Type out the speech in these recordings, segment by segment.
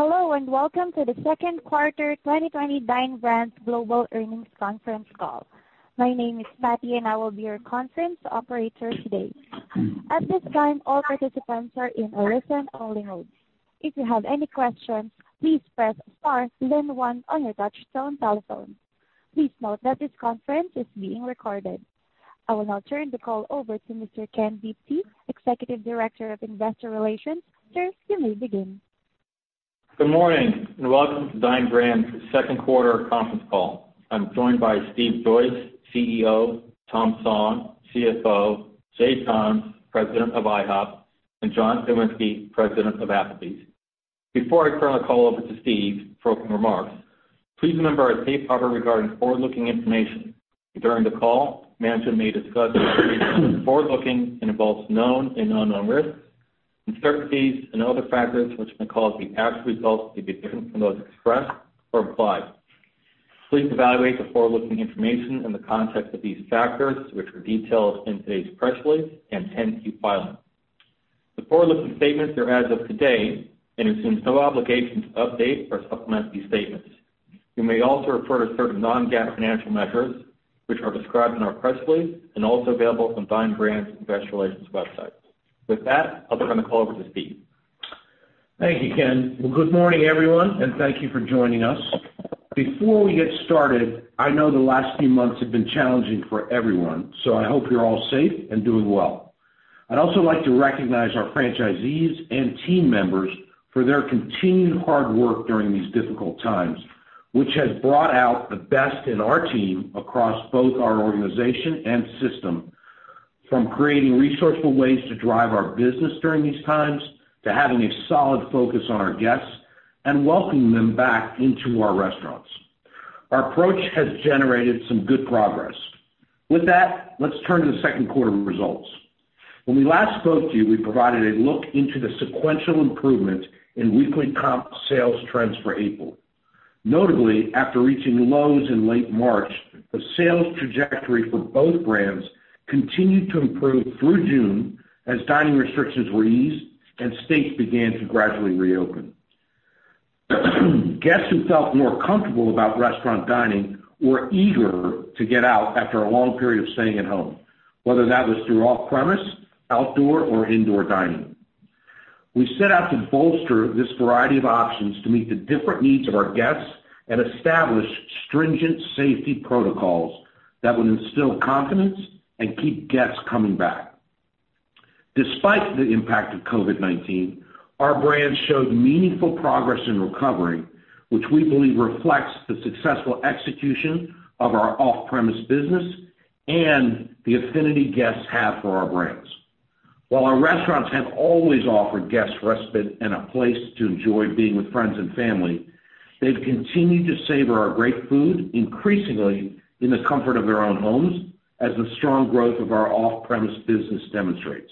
Hello, and Welcome to the second quarter 2020 Dine Brands Global earnings conference call. My name is Patty and I will be your conference operator today. At this time, all participants are in a listen-only mode. If you have any questions, please press star then one on your touchtone telephone. Please note that this conference is being recorded. I will now turn the call over to Mr. Ken Diptee, Executive Director of Investor Relations. Sir, you may begin. Good morning, and welcome to Dine Brands' second quarter conference call. I'm joined by Steve Joyce, CEO, Tom Song, CFO, Jay Johns, President of IHOP, and John Cywinski, President of Applebee's. Before I turn the call over to Steve for opening remarks, please remember our safe harbor regarding forward-looking information. During the call, management may discuss forward-looking and involves known and unknown risks, uncertainties and other factors which may cause the actual results to be different from those expressed or implied. Please evaluate the forward-looking information in the context of these factors, which are detailed in today's press release and 10-Q filing. The forward-looking statements are as of today and assume no obligation to update or supplement these statements. We may also refer to certain non-GAAP financial measures, which are described in our press release and also available from Dine Brands' Investor Relations website. With that, I'll turn the call over to Steve. Thank you, Ken. Well, good morning, everyone, and thank you for joining us. Before we get started, I know the last few months have been challenging for everyone, so I hope you're all safe and doing well. I'd also like to recognize our franchisees and team members for their continued hard work during these difficult times, which has brought out the best in our team across both our organization and system, from creating resourceful ways to drive our business during these times, to having a solid focus on our guests and welcoming them back into our restaurants. Our approach has generated some good progress. With that, let's turn to the second quarter results. When we last spoke to you, we provided a look into the sequential improvement in weekly comp sales trends for April. Notably, after reaching lows in late March, the sales trajectory for both brands continued to improve through June as dining restrictions were eased and states began to gradually reopen. Guests who felt more comfortable about restaurant dining were eager to get out after a long period of staying at home, whether that was through off-premise, outdoor, or indoor dining. We set out to bolster this variety of options to meet the different needs of our guests and establish stringent safety protocols that would instill confidence and keep guests coming back. Despite the impact of COVID-19, our brands showed meaningful progress in recovery, which we believe reflects the successful execution of our off-premise business and the affinity guests have for our brands. While our restaurants have always offered guests respite and a place to enjoy being with friends and family, they've continued to savor our great food, increasingly in the comfort of their own homes, as the strong growth of our off-premise business demonstrates.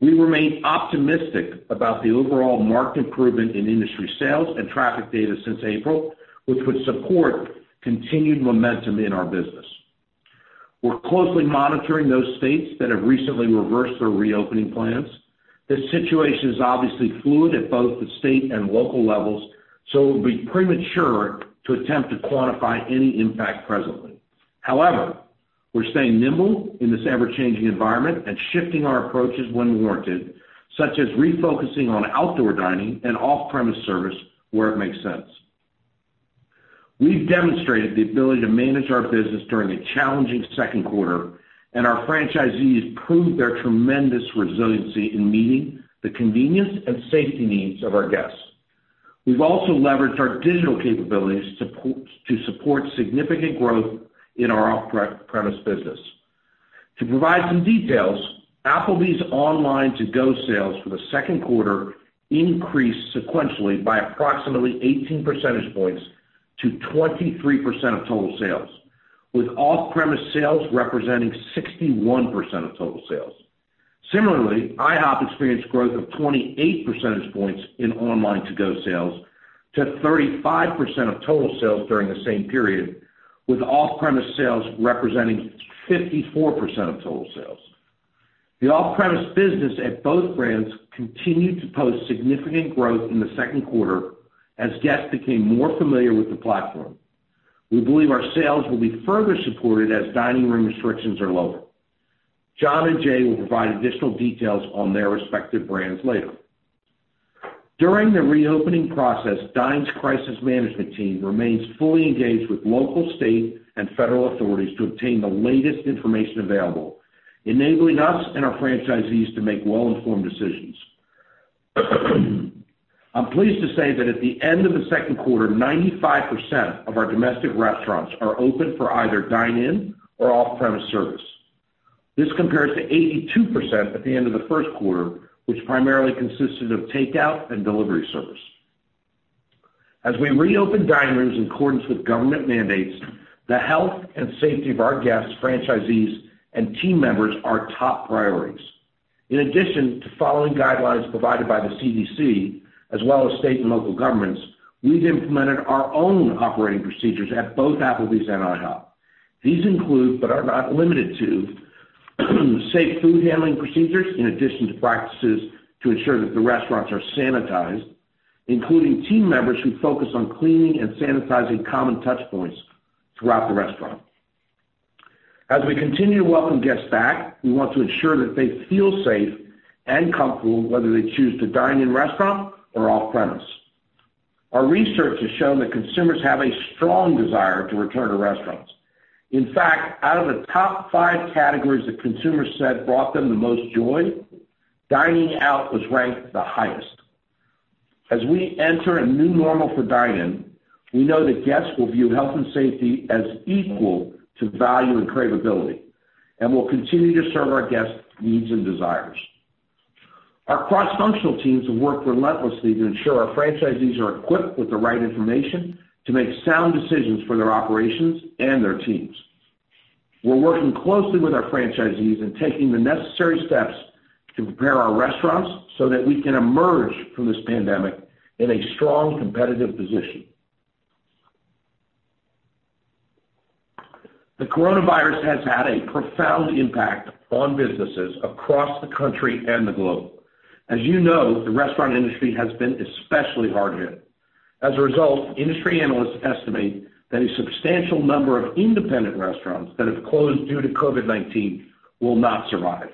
We remain optimistic about the overall market improvement in industry sales and traffic data since April, which would support continued momentum in our business. We're closely monitoring those states that have recently reversed their reopening plans. This situation is obviously fluid at both the state and local levels, so it would be premature to attempt to quantify any impact presently. However, we're staying nimble in this ever-changing environment and shifting our approaches when warranted, such as refocusing on outdoor dining and off-premise service where it makes sense. We've demonstrated the ability to manage our business during a challenging second quarter, and our franchisees proved their tremendous resiliency in meeting the convenience and safety needs of our guests. We've also leveraged our digital capabilities to support significant growth in our off-premise business. To provide some details, Applebee's online To-Go sales for the second quarter increased sequentially by approximately 18 percentage points to 23% of total sales, with off-premise sales representing 61% of total sales. Similarly, IHOP experienced growth of 28 percentage points in online To-Go sales to 35% of total sales during the same period, with off-premise sales representing 54% of total sales. The off-premise business at both brands continued to post significant growth in the second quarter as guests became more familiar with the platform. We believe our sales will be further supported as dining room restrictions are lowered. John and Jay will provide additional details on their respective brands later. During the reopening process, Dine's crisis management team remains fully engaged with local, state, and federal authorities to obtain the latest information available, enabling us and our franchisees to make well-informed decisions. I'm pleased to say that at the end of the second quarter, 95% of our domestic restaurants are open for either dine-in or off-premise service. This compares to 82% at the end of the first quarter, which primarily consisted of takeout and delivery service. As we reopen dining rooms in accordance with government mandates, the health and safety of our guests, franchisees, and team members are top priorities. In addition to following guidelines provided by the CDC, as well as state and local governments, we've implemented our own operating procedures at both Applebee's and IHOP. These include, but are not limited to, safe food handling procedures in addition to practices to ensure that the restaurants are sanitized, including team members who focus on cleaning and sanitizing common touchpoints throughout the restaurant. As we continue to welcome guests back, we want to ensure that they feel safe and comfortable, whether they choose to dine in restaurant or off-premise. Our research has shown that consumers have a strong desire to return to restaurants. In fact, out of the top five categories that consumers said brought them the most joy, dining out was ranked the highest. As we enter a new normal for dine-in, we know that guests will view health and safety as equal to value and cravability, and we'll continue to serve our guests' needs and desires. Our cross-functional teams have worked relentlessly to ensure our franchisees are equipped with the right information to make sound decisions for their operations and their teams. We're working closely with our franchisees in taking the necessary steps to prepare our restaurants so that we can emerge from this pandemic in a strong competitive position. The coronavirus has had a profound impact on businesses across the country and the globe. As you know, the restaurant industry has been especially hard hit. As a result, industry analysts estimate that a substantial number of independent restaurants that have closed due to COVID-19 will not survive.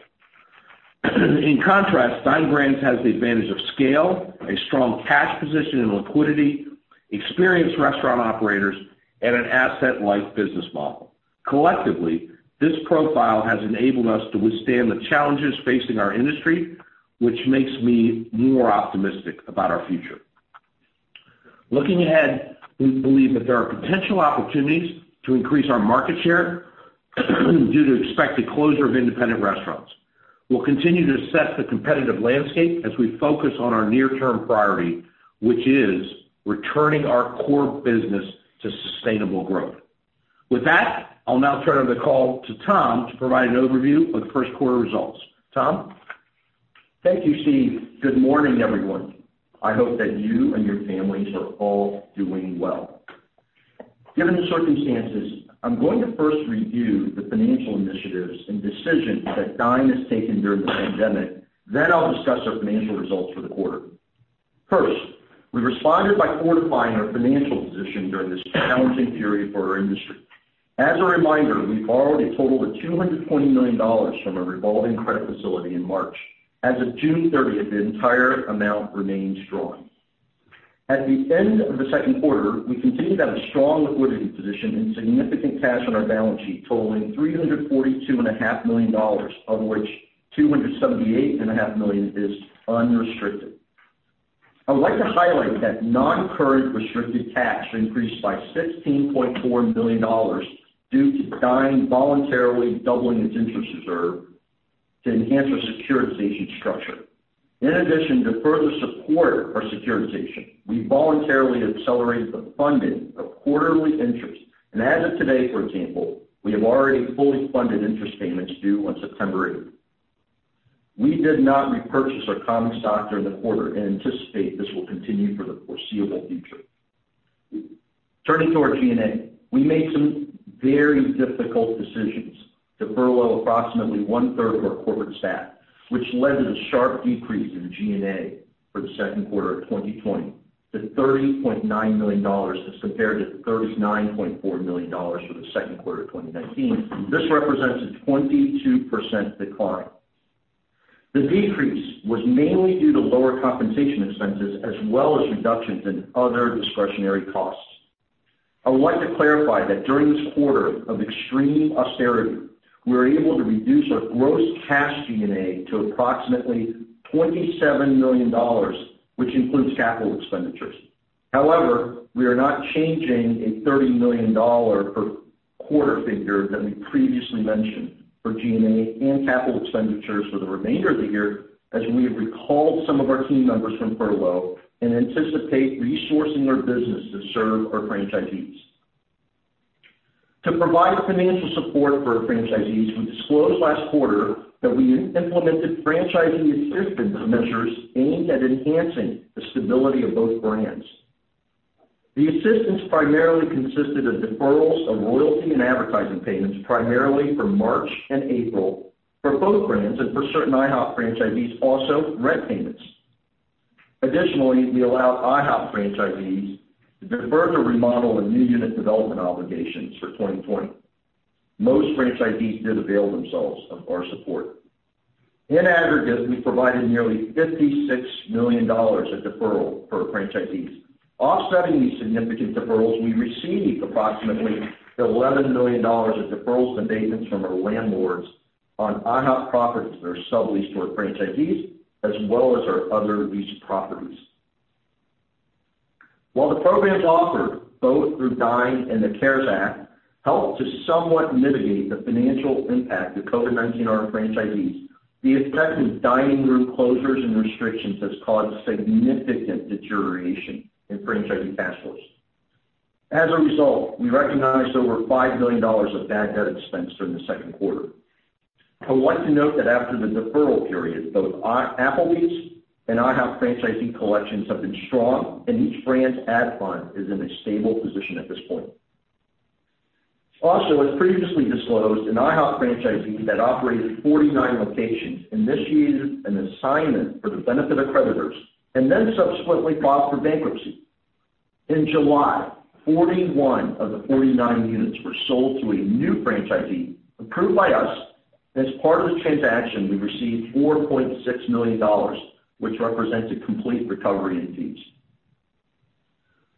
In contrast, Dine Brands has the advantage of scale, a strong cash position and liquidity, experienced restaurant operators, and an asset-light business model. Collectively, this profile has enabled us to withstand the challenges facing our industry, which makes me more optimistic about our future. Looking ahead, we believe that there are potential opportunities to increase our market share due to expected closure of independent restaurants. We'll continue to assess the competitive landscape as we focus on our near-term priority, which is returning our core business to sustainable growth. With that, I'll now turn the call to Tom to provide an overview of the first quarter results. Tom? Thank you, Steve. Good morning, everyone. I hope that you and your families are all doing well. Given the circumstances, I'm going to first review the financial initiatives and decisions that Dine has taken during the pandemic. I'll discuss our financial results for the quarter. 1st, we responded by fortifying our financial position during this challenging period for our industry. As a reminder, we borrowed a total of $220 million from a revolving credit facility in March. As of June 30th, the entire amount remains drawn. At the end of the second quarter, we continue to have a strong liquidity position and significant cash on our balance sheet totaling $342.5 million, of which $278.5 million is unrestricted. I would like to highlight that non-current restricted cash increased by $16.4 million due to Dine voluntarily doubling its interest reserve to enhance our securitization structure. In addition, to further support our securitization, we voluntarily accelerated the funding of quarterly interest, and as of today, for example, we have already fully funded interest payments due on September 8th. We did not repurchase our common stock during the quarter and anticipate this will continue for the foreseeable future. Turning to our G&A, we made some very difficult decisions to furlough approximately one-third of our corporate staff, which led to the sharp decrease in G&A for the second quarter of 2020 to $30.9 million as compared to $39.4 million for the second quarter of 2019. This represents a 22% decline. The decrease was mainly due to lower compensation expenses as well as reductions in other discretionary costs. I want to clarify that during this quarter of extreme austerity, we were able to reduce our gross cash G&A to approximately $27 million, which includes capital expenditures. However, we are not changing a $30 million per quarter figure that we previously mentioned for G&A and capital expenditures for the remainder of the year, as we have recalled some of our team members from furlough and anticipate resourcing our business to serve our franchisees. To provide financial support for our franchisees, we disclosed last quarter that we implemented franchisee assistance measures aimed at enhancing the stability of both brands. The assistance primarily consisted of deferrals of royalty and advertising payments, primarily for March and April for both brands and for certain IHOP franchisees also rent payments. Additionally, we allowed IHOP franchisees to defer their remodel and new unit development obligations for 2020. Most franchisees did avail themselves of our support. In aggregate, we provided nearly $56 million of deferral for franchisees. Offsetting these significant deferrals, we received approximately $11 million of deferrals and abatements from our landlords on IHOP properties that are subleased to our franchisees, as well as our other leased properties. While the programs offered both through Dine and the CARES Act helped to somewhat mitigate the financial impact of COVID-19 on our franchisees, the effect of dining room closures and restrictions has caused significant deterioration in franchisee cash flows. We recognized over $5 million of bad debt expense during the second quarter. I want to note that after the deferral period, both Applebee's and IHOP franchisee collections have been strong, and each brand's ad fund is in a stable position at this point. As previously disclosed, an IHOP franchisee that operated 49 locations initiated an assignment for the benefit of creditors, subsequently filed for bankruptcy. In July, 41 of the 49 units were sold to a new franchisee approved by us. As part of the transaction, we received $4.6 million, which represents a complete recovery in fees.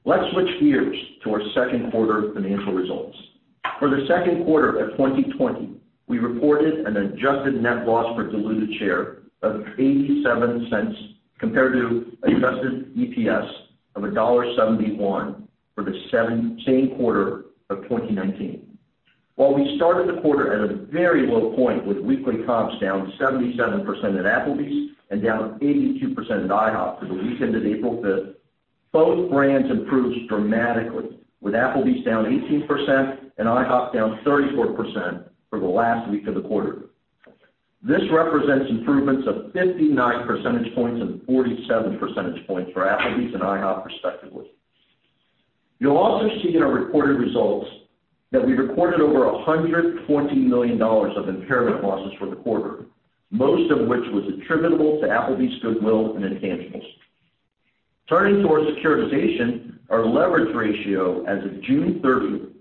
Let's switch gears to our second quarter financial results. For the second quarter of 2020, we reported an adjusted net loss per diluted share of $0.87 compared to adjusted EPS of $1.71 for the same quarter of 2019. While we started the quarter at a very low point with weekly comps down 77% at Applebee's and down 82% at IHOP through the week ended April 5th, both brands improved dramatically, with Applebee's down 18% and IHOP down 34% for the last week of the quarter. This represents improvements of 59 percentage points and 47 percentage points for Applebee's and IHOP respectively. You'll also see in our reported results that we reported over $120 million of impairment losses for the quarter, most of which was attributable to Applebee's goodwill and intangibles. Turning to our securitization, our leverage ratio as of June 30th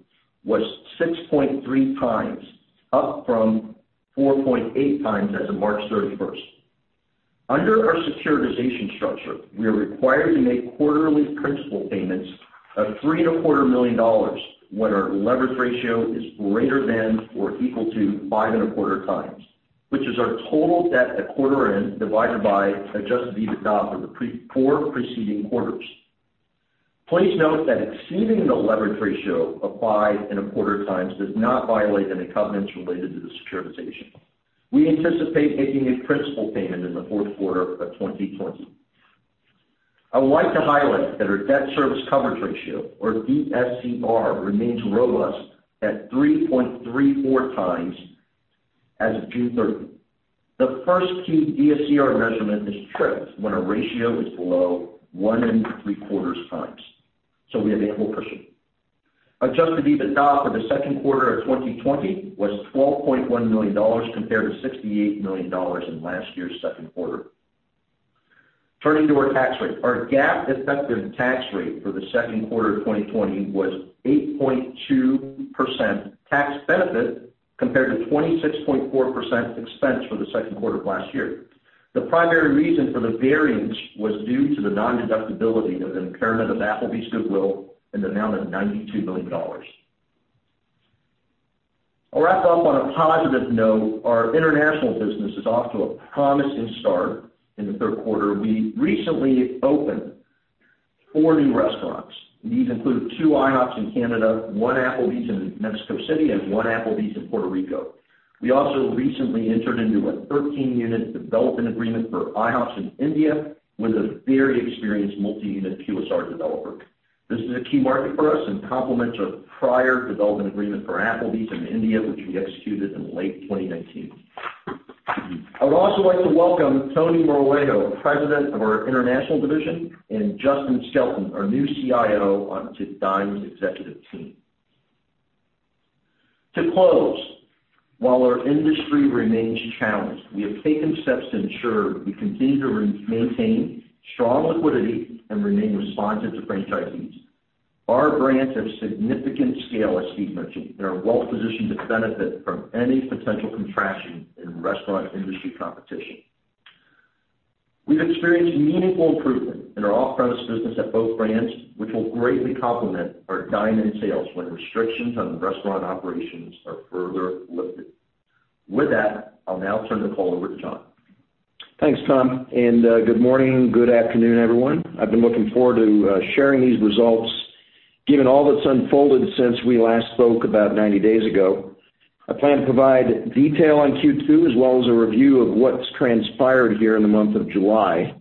was 6.3x, up from 4.8x as of March 31st. Under our securitization structure, we are required to make quarterly principal payments of $3.25 million when our leverage ratio is greater than or equal to 5.25x, which is our total debt at quarter end divided by Adjusted EBITDA for the four preceding quarters. Please note that exceeding the leverage ratio of 5.25x does not violate any covenants related to the securitization. We anticipate making a principal payment in the fourth quarter of 2020. I would like to highlight that our debt service coverage ratio, or DSCR, remains robust at 3.34X as of June 30. The 1st DSCR measurement is tripped when a ratio is below 1.75x. We have a cushion. Adjusted EBITDA for the second quarter of 2020 was $12.1 million compared to $68 million in last year's second quarter. Turning to our tax rate. Our GAAP effective tax rate for the second quarter of 2020 was 8.2% tax benefit compared to 26.4% expense for the second quarter of last year. The primary reason for the variance was due to the non-deductibility of impairment of Applebee's goodwill in the amount of $92 million. I'll wrap up on a positive note. Our international business is off to a promising start in the third quarter. We recently opened four new restaurants. These include two IHOPs in Canada, one Applebee's in Mexico City, and one Applebee's in Puerto Rico. We also recently entered into a 13-unit development agreement for IHOPs in India with a very experienced multi-unit QSR developer. This is a key market for us and complements our prior development agreement for Applebee's in India, which we executed in late 2019. I would also like to welcome Tony Moralejo, President of our International Division, and Justin Skelton, our new CIO, onto Dine Brands' executive team. To close, while our industry remains challenged, we have taken steps to ensure we continue to maintain strong liquidity and remain responsive to franchisees. Our brands have significant scale, as Steve mentioned, and are well positioned to benefit from any potential contraction in restaurant industry competition. We've experienced meaningful improvement in our off-premise business at both brands, which will greatly complement our dine-in sales when restrictions on restaurant operations are further lifted. With that, I'll now turn the call over to John. Thanks, Tom. Good morning, good afternoon, everyone. I've been looking forward to sharing these results given all that's unfolded since we last spoke about 90 days ago. I plan to provide detail on Q2 as well as a review of what's transpired here in the month of July.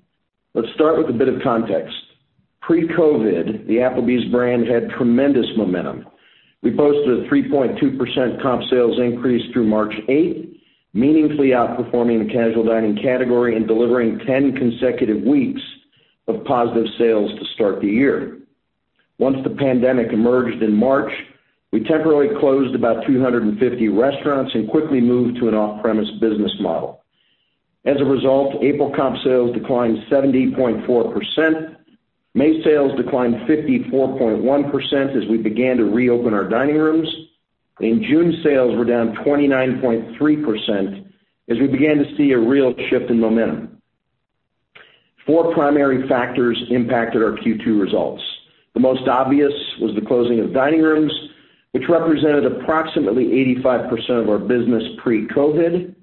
Let's start with a bit of context. Pre-COVID, the Applebee's brand had tremendous momentum. We posted a 3.2% comp sales increase through March 8th, meaningfully outperforming the casual dining category and delivering 10 consecutive weeks of positive sales to start the year. Once the pandemic emerged in March, we temporarily closed about 250 restaurants and quickly moved to an off-premise business model. As a result, April comp sales declined 70.4%. May sales declined 54.1% as we began to reopen our dining rooms. In June, sales were down 29.3% as we began to see a real shift in momentum. Four primary factors impacted our Q2 results. The most obvious was the closing of dining rooms, which represented approximately 85% of our business pre-COVID.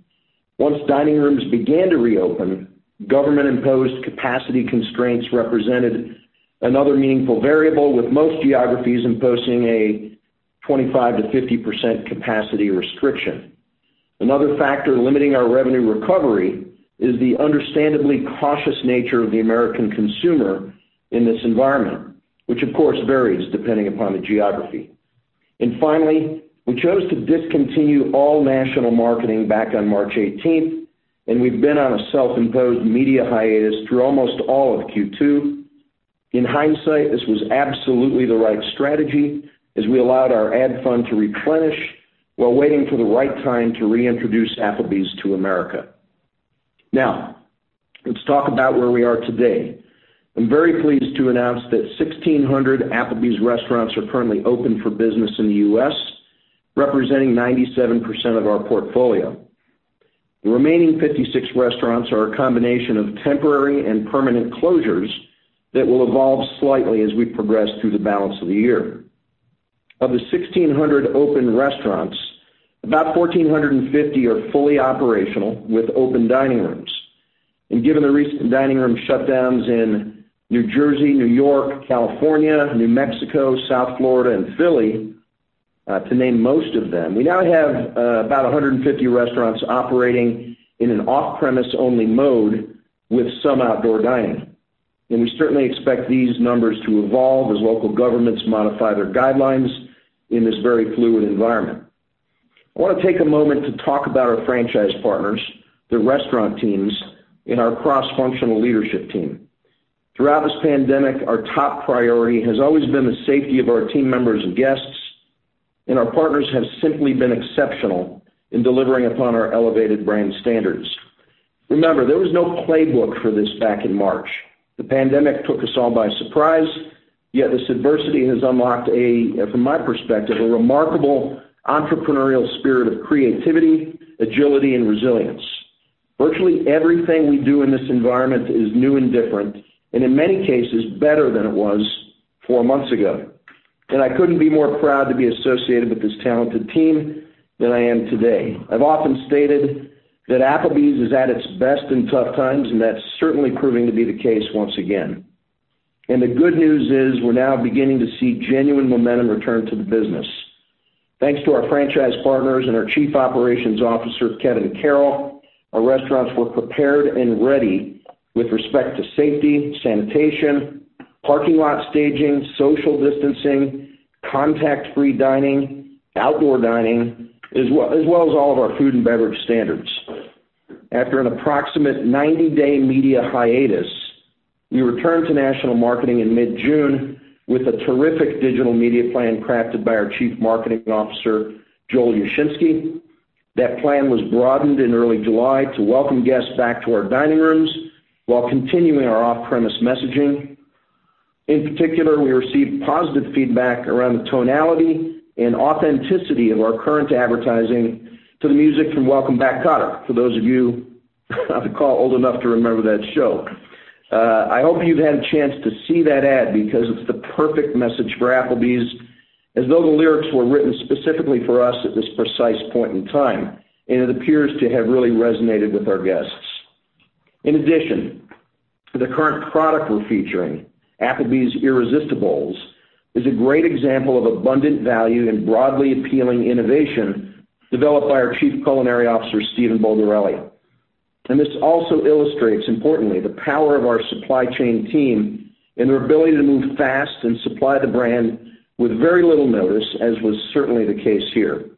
Once dining rooms began to reopen, government-imposed capacity constraints represented another meaningful variable, with most geographies imposing a 25%-50% capacity restriction. Another factor limiting our revenue recovery is the understandably cautious nature of the American consumer in this environment. Which of course varies depending upon the geography. Finally, we chose to discontinue all national marketing back on March 18th, and we've been on a self-imposed media hiatus through almost all of Q2. In hindsight, this was absolutely the right strategy as we allowed our ad fund to replenish while waiting for the right time to reintroduce Applebee's to America. Let's talk about where we are today. I'm very pleased to announce that 1,600 Applebee's restaurants are currently open for business in the U.S., representing 97% of our portfolio. The remaining 56 restaurants are a combination of temporary and permanent closures that will evolve slightly as we progress through the balance of the year. Of the 1,600 open restaurants, about 1,450 are fully operational with open dining rooms. Given the recent dining room shutdowns in New Jersey, New York, California, New Mexico, South Florida, and Philly, to name most of them, we now have about 150 restaurants operating in an off-premise only mode with some outdoor dining. We certainly expect these numbers to evolve as local governments modify their guidelines in this very fluid environment. I want to take a moment to talk about our franchise partners, the restaurant teams, and our cross-functional leadership team. Throughout this pandemic, our top priority has always been the safety of our team members and guests, and our partners have simply been exceptional in delivering upon our elevated brand standards. Remember, there was no playbook for this back in March. The pandemic took us all by surprise. Yet this adversity has unlocked a remarkable entrepreneurial spirit of creativity, agility, and resilience. Virtually everything we do in this environment is new and different, and in many cases, better than it was four months ago. I couldn't be more proud to be associated with this talented team than I am today. I've often stated that Applebee's is at its best in tough times, that's certainly proving to be the case once again. The good news is we're now beginning to see genuine momentum return to the business. Thanks to our franchise partners and our Chief Operations Officer, Kevin Carroll, our restaurants were prepared and ready with respect to safety, sanitation, parking lot staging, social distancing, contact-free dining, outdoor dining, as well as all of our food and beverage standards. After an approximate 90-day media hiatus, we returned to national marketing in mid-June with a terrific digital media plan crafted by our Chief Marketing Officer, Joel Yashinsky. That plan was broadened in early July to welcome guests back to our dining rooms while continuing our off-premise messaging. In particular, we received positive feedback around the tonality and authenticity of our current advertising to the music from Welcome Back, Kotter, for those of you on the call old enough to remember that show. I hope you've had a chance to see that ad, because it's the perfect message for Applebee's, as though the lyrics were written specifically for us at this precise point in time. It appears to have really resonated with our guests. In addition, the current product we're featuring, Applebee's Irresist-A-Bowls, is a great example of abundant value and broadly appealing innovation developed by our Chief Culinary Officer, Stephen Bulgarelli. This also illustrates, importantly, the power of our supply chain team and their ability to move fast and supply the brand with very little notice, as was certainly the case here.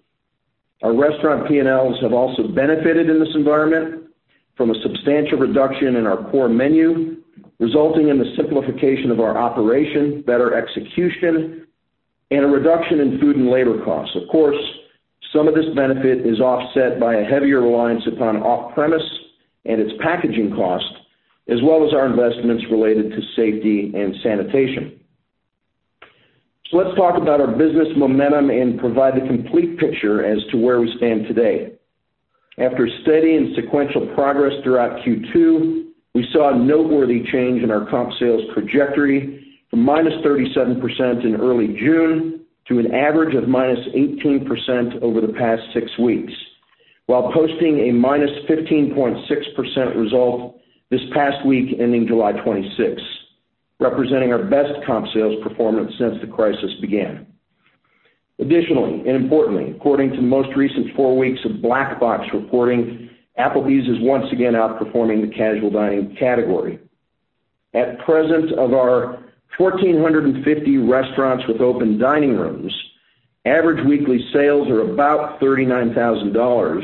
Our restaurant P&Ls have also benefited in this environment from a substantial reduction in our core menu, resulting in the simplification of our operation, better execution, and a reduction in food and labor costs. Of course, some of this benefit is offset by a heavier reliance upon off-premise and its packaging cost, as well as our investments related to safety and sanitation. Let's talk about our business momentum and provide the complete picture as to where we stand today. After steady and sequential progress throughout Q2, we saw a noteworthy change in our comp sales trajectory from -37% in early June to an average of -18% over the past six weeks, while posting a -15.6% result this past week ending July 26, representing our best comp sales performance since the crisis began. Additionally, and importantly, according to the most recent four weeks of Black Box reporting, Applebee's is once again outperforming the casual dining category. At present, of our 1,450 restaurants with open dining rooms, average weekly sales are about $39,000,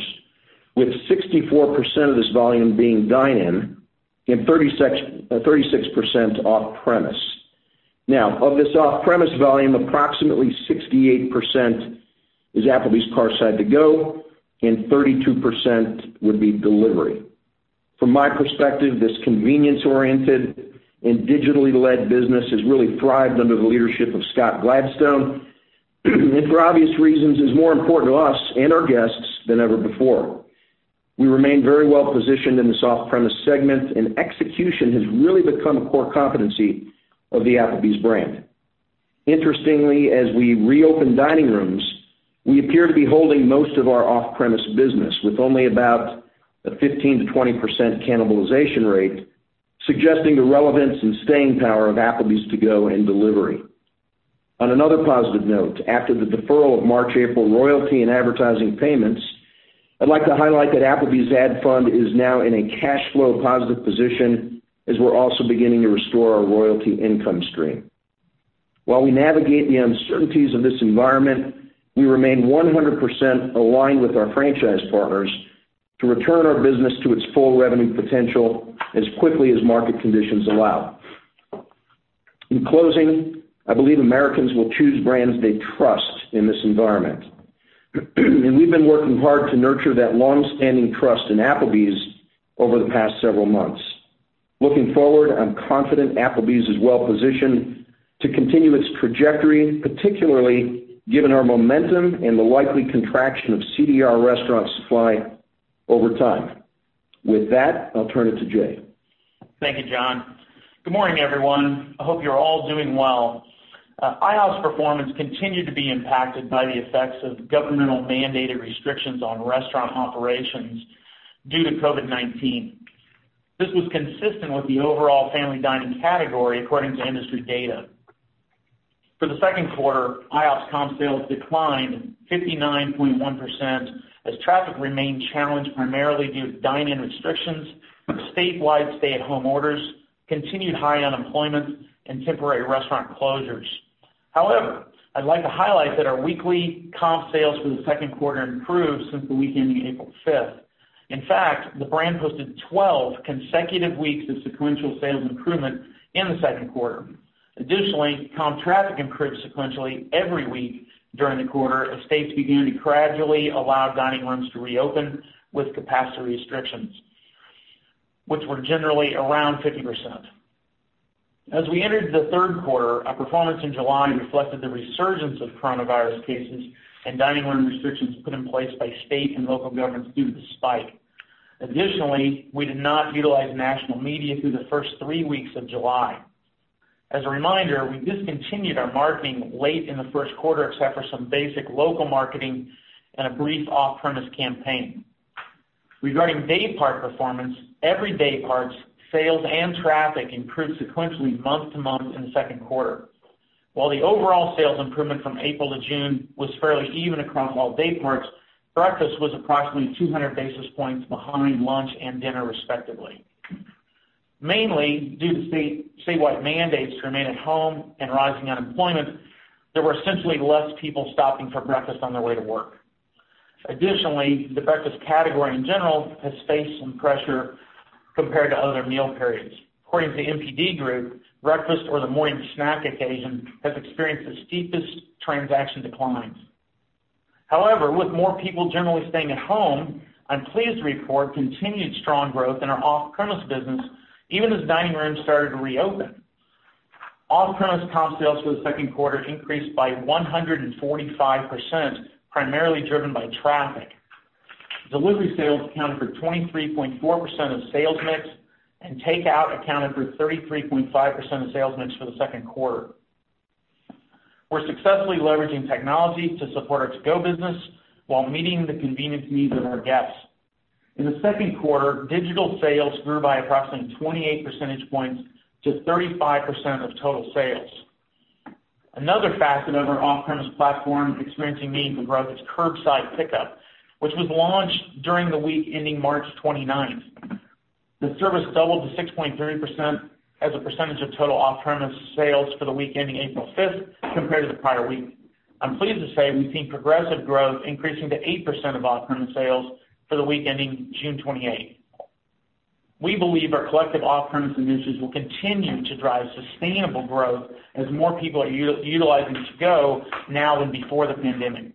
with 64% of this volume being dine-in and 36% off-premise. Of this off-premise volume, approximately 68% is Applebee's Carside To-Go, and 32% would be delivery. From my perspective, this convenience-oriented and digitally led business has really thrived under the leadership of Scott Gladstone, and for obvious reasons, is more important to us and our guests than ever before. We remain very well positioned in this off-premise segment, and execution has really become a core competency of the Applebee's brand. Interestingly, as we reopen dining rooms, we appear to be holding most of our off-premise business, with only about a 15%-20% cannibalization rate, suggesting the relevance and staying power of Applebee's To-Go and delivery. On another positive note, after the deferral of March, April royalty and advertising payments, I'd like to highlight that Applebee's ad fund is now in a cash flow positive position as we're also beginning to restore our royalty income stream. While we navigate the uncertainties of this environment, we remain 100% aligned with our franchise partners to return our business to its full revenue potential as quickly as market conditions allow. In closing, I believe Americans will choose brands they trust in this environment. We've been working hard to nurture that long-standing trust in Applebee's over the past several months. Looking forward, I'm confident Applebee's is well-positioned to continue its trajectory, particularly given our momentum and the likely contraction of CDR restaurant supply over time. With that, I'll turn it to Jay. Thank you, John. Good morning, everyone. I hope you're all doing well. IHOP's performance continued to be impacted by the effects of governmental mandated restrictions on restaurant operations due to COVID-19. This was consistent with the overall family dining category, according to industry data. For the second quarter, IHOP's comp sales declined 59.1% as traffic remained challenged, primarily due to dine-in restrictions, statewide stay-at-home orders, continued high unemployment, and temporary restaurant closures. However, I'd like to highlight that our weekly comp sales for the second quarter improved since the week ending April 5th. In fact, the brand posted 12 consecutive weeks of sequential sales improvement in the second quarter. Additionally, comp traffic improved sequentially every week during the quarter as states began to gradually allow dining rooms to reopen with capacity restrictions, which were generally around 50%. As we entered the third quarter, our performance in July reflected the resurgence of coronavirus cases and dining room restrictions put in place by state and local governments due to the spike. We did not utilize national media through the first three weeks of July. As a reminder, we discontinued our marketing late in the first quarter, except for some basic local marketing and a brief off-premise campaign. Regarding daypart performance, every daypart's sales and traffic improved sequentially month-to-month in the second quarter. While the overall sales improvement from April to June was fairly even across all dayparts, breakfast was approximately 200 basis points behind lunch and dinner, respectively. Due to statewide mandates to remain at home and rising unemployment, there were essentially less people stopping for breakfast on their way to work. Additionally, the breakfast category in general has faced some pressure compared to other meal periods. According to NPD Group, breakfast or the morning snack occasion has experienced the steepest transaction declines. However, with more people generally staying at home, I'm pleased to report continued strong growth in our off-premise business, even as dining rooms started to reopen. Off-premise comp sales for the second quarter increased by 145%, primarily driven by traffic. Delivery sales accounted for 23.4% of sales mix, and takeout accounted for 33.5% of sales mix for the second quarter. We're successfully leveraging technology to support our to-go business while meeting the convenience needs of our guests. In the second quarter, digital sales grew by approximately 28 percentage points to 35% of total sales. Another facet of our off-premise platform experiencing meaningful growth is curbside pickup, which was launched during the week ending March 29th. The service doubled to 6.3% as a percentage of total off-premise sales for the week ending April 5th compared to the prior week. I'm pleased to say we've seen progressive growth increasing to 8% of off-premise sales for the week ending June 28th. We believe our collective off-premise initiatives will continue to drive sustainable growth as more people are utilizing to-go now than before the pandemic.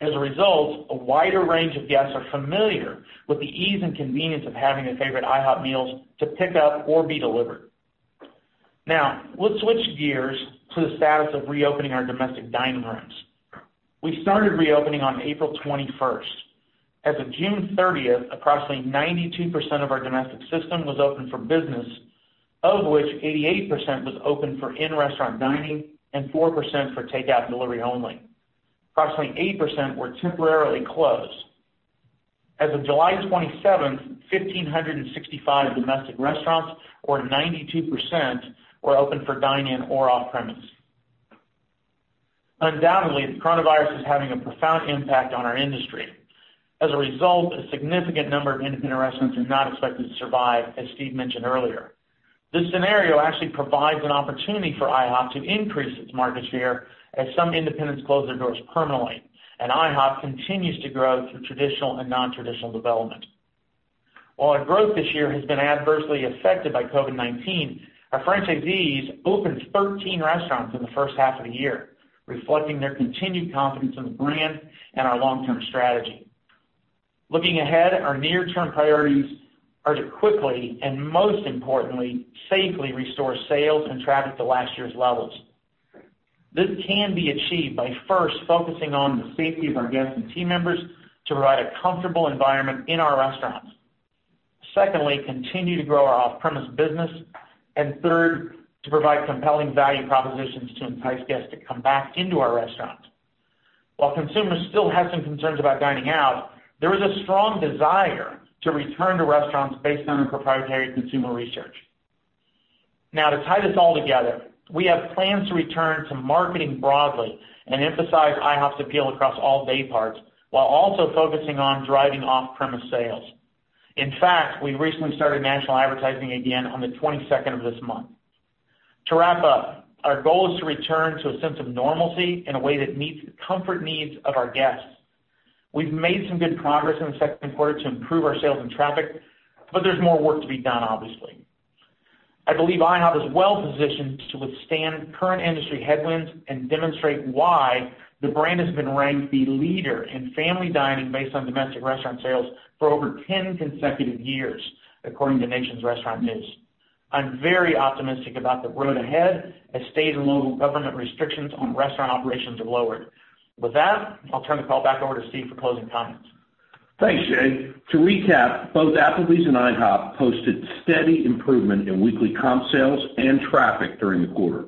As a result, a wider range of guests are familiar with the ease and convenience of having their favorite IHOP meals to pick up or be delivered. Now, let's switch gears to the status of reopening our domestic dining rooms. We started reopening on April 21st. As of June 30th, approximately 92% of our domestic system was open for business, of which 88% was open for in-restaurant dining and 4% for takeout and delivery only. Approximately 8% were temporarily closed. As of July 27th, 1,565 domestic restaurants, or 92%, were open for dine-in or off-premise. Undoubtedly, the coronavirus is having a profound impact on our industry. As a result, a significant number of independent restaurants are not expected to survive, as Steve mentioned earlier. This scenario actually provides an opportunity for IHOP to increase its market share as some independents close their doors permanently, and IHOP continues to grow through traditional and non-traditional development. While our growth this year has been adversely affected by COVID-19, our franchisees opened 13 restaurants in the first half of the year, reflecting their continued confidence in the brand and our long-term strategy. Looking ahead, our near-term priorities are to quickly and most importantly, safely restore sales and traffic to last year's levels. This can be achieved by 1st focusing on the safety of our guests and team members to provide a comfortable environment in our restaurants. Secondly, continue to grow our off-premise business. 3rd, to provide compelling value propositions to entice guests to come back into our restaurants. While consumers still have some concerns about dining out, there is a strong desire to return to restaurants based on our proprietary consumer research. Now, to tie this all together, we have plans to return to marketing broadly and emphasize IHOP's appeal across all day parts, while also focusing on driving off-premise sales. In fact, we recently started national advertising again on the 22nd of this month. To wrap up, our goal is to return to a sense of normalcy in a way that meets the comfort needs of our guests. We've made some good progress in the second quarter to improve our sales and traffic, but there's more work to be done, obviously. I believe IHOP is well-positioned to withstand current industry headwinds and demonstrate why the brand has been ranked the leader in family dining based on domestic restaurant sales for over 10 consecutive years, according to Nation's Restaurant News. I'm very optimistic about the road ahead as state and local government restrictions on restaurant operations are lowered. With that, I'll turn the call back over to Steve for closing comments. Thanks, Jay. To recap, both Applebee's and IHOP posted steady improvement in weekly comp sales and traffic during the quarter.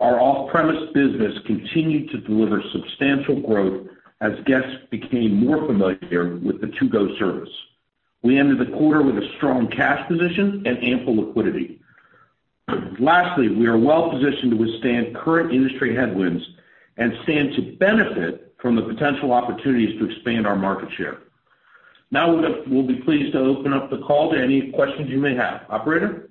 Our off-premise business continued to deliver substantial growth as guests became more familiar with the to-go service. We ended the quarter with a strong cash position and ample liquidity. Lastly, we are well positioned to withstand current industry headwinds and stand to benefit from the potential opportunities to expand our market share. Now, we'll be pleased to open up the call to any questions you may have. Operator?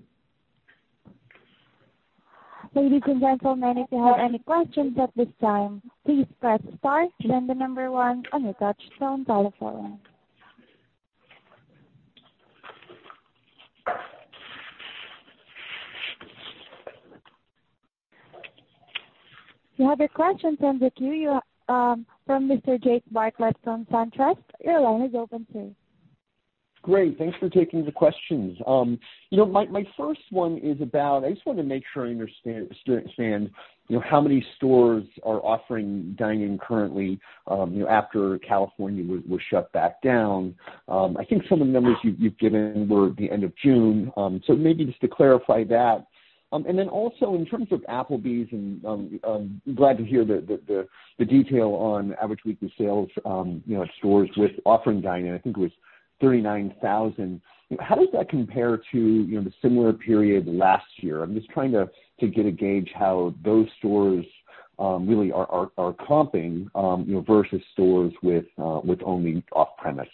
Ladies and gentlemen, if you have any questions at this time, please press star then the number one on your touchtone telephone. You have a question from the queue from Mr. Jake Bartlett, SunTrust. Your line is open, sir. Great. Thanks for taking the questions. My 1st one, I just wanted to make sure I understand how many stores are offering dine-in currently after California was shut back down. I think some of the numbers you've given were at the end of June. Maybe just to clarify that. Then also in terms of Applebee's, I'm glad to hear the detail on average weekly sales at stores with offering dine-in. I think it was $39,000. How does that compare to the similar period last year? I'm just trying to get a gauge how those stores really are comping versus stores with only off-premise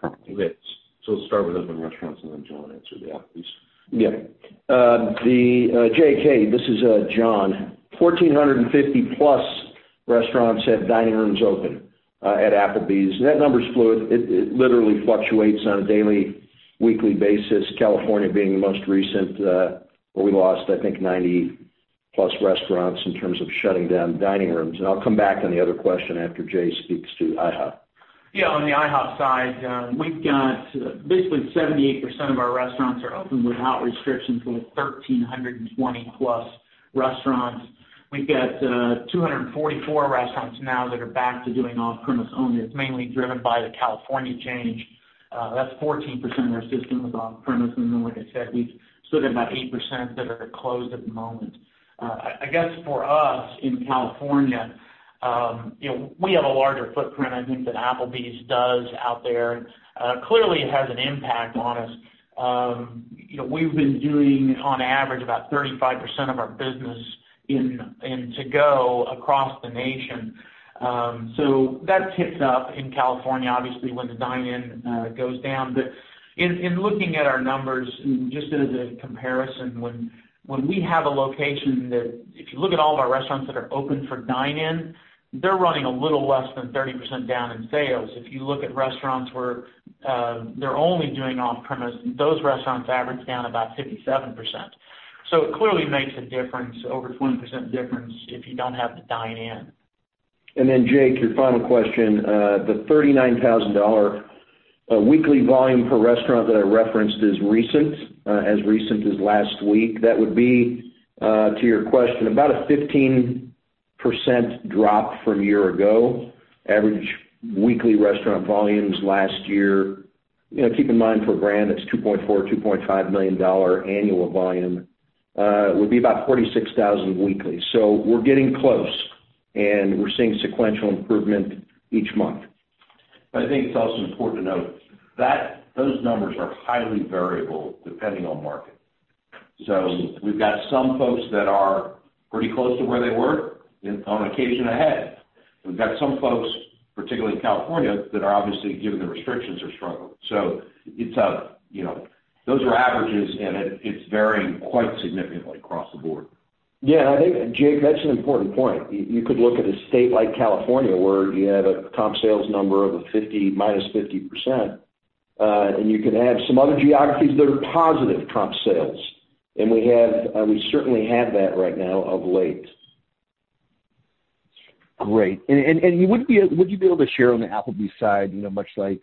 currently. Great. We'll start with open restaurants, and then John will answer the Applebee's. Jake, hey, this is John. 1,450+ restaurants had dining rooms open at Applebee's. That number is fluid. It literally fluctuates on a daily, weekly basis, California being the most recent, where we lost, I think, 90+ restaurants in terms of shutting down dining rooms. I'll come back on the other question after Jay speaks to IHOP. On the IHOP side, we've got basically 78% of our restaurants are open without restrictions, so we have 1,320+ restaurants. We've got 244 restaurants now that are back to doing off-premise only. It's mainly driven by the California change. That's 14% of our system is off-premise, like I said, we've still got about 8% that are closed at the moment. I guess for us in California, we have a larger footprint, I think, than Applebee's does out there. Clearly, it has an impact on us. We've been doing, on average, about 35% of our business in to-go across the nation. That ticks up in California, obviously, when the dine-in goes down. In looking at our numbers, just as a comparison, when we have a location that, if you look at all of our restaurants that are open for dine-in, they're running a little less than 30% down in sales. If you look at restaurants where they're only doing off-premise, those restaurants average down about 57%. It clearly makes a difference, over 20% difference, if you don't have the dine-in. Jake, your final question. The $39,000 weekly volume per restaurant that I referenced is recent, as recent as last week. That would be, to your question, about a 15% drop from a year ago. Average weekly restaurant volumes last year, keep in mind for a brand that's $2.4 million-$2.5 million annual volume, would be about $46,000 weekly. We're getting close, and we're seeing sequential improvement each month. I think it's also important to note those numbers are highly variable depending on market. We've got some folks that are pretty close to where they were, and on occasion ahead. We've got some folks, particularly in California, that are obviously, given the restrictions, are struggling. Those are averages, and it's varying quite significantly across the board. Yeah, I think, Jake, that's an important point. You could look at a state like California where you have a comp sales number of -50%, you can have some other geographies that are positive comp sales, we certainly have that right now of late. Great. Would you be able to share on the Applebee's side, much like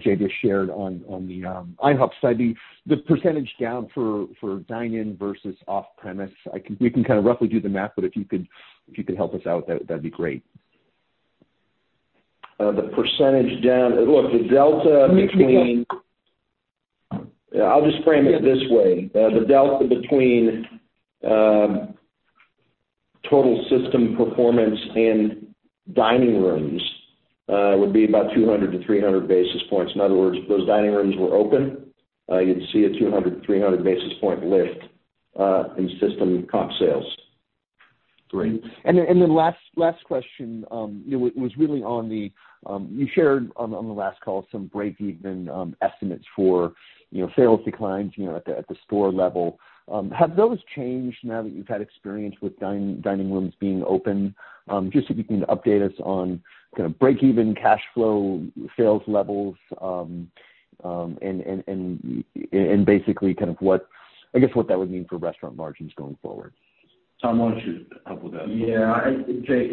Jay just shared on the IHOP side, the percentage down for dine-in versus off-premise? We can roughly do the math, but if you could help us out, that'd be great. The percentage down. Look, I'll just frame it this way. The delta between total system performance and dining rooms would be about 200 basis points-300 basis points. In other words, if those dining rooms were open, you'd see a 200 basis points-300 basis points lift in system comp sales. Great. Last question. You shared on the last call some break-even estimates for sales declines at the store level. Have those changed now that you've had experience with dining rooms being open? Just if you can update us on break-even cash flow sales levels, and basically, I guess, what that would mean for restaurant margins going forward. Tom, why don't you help with that? Yeah. Jake,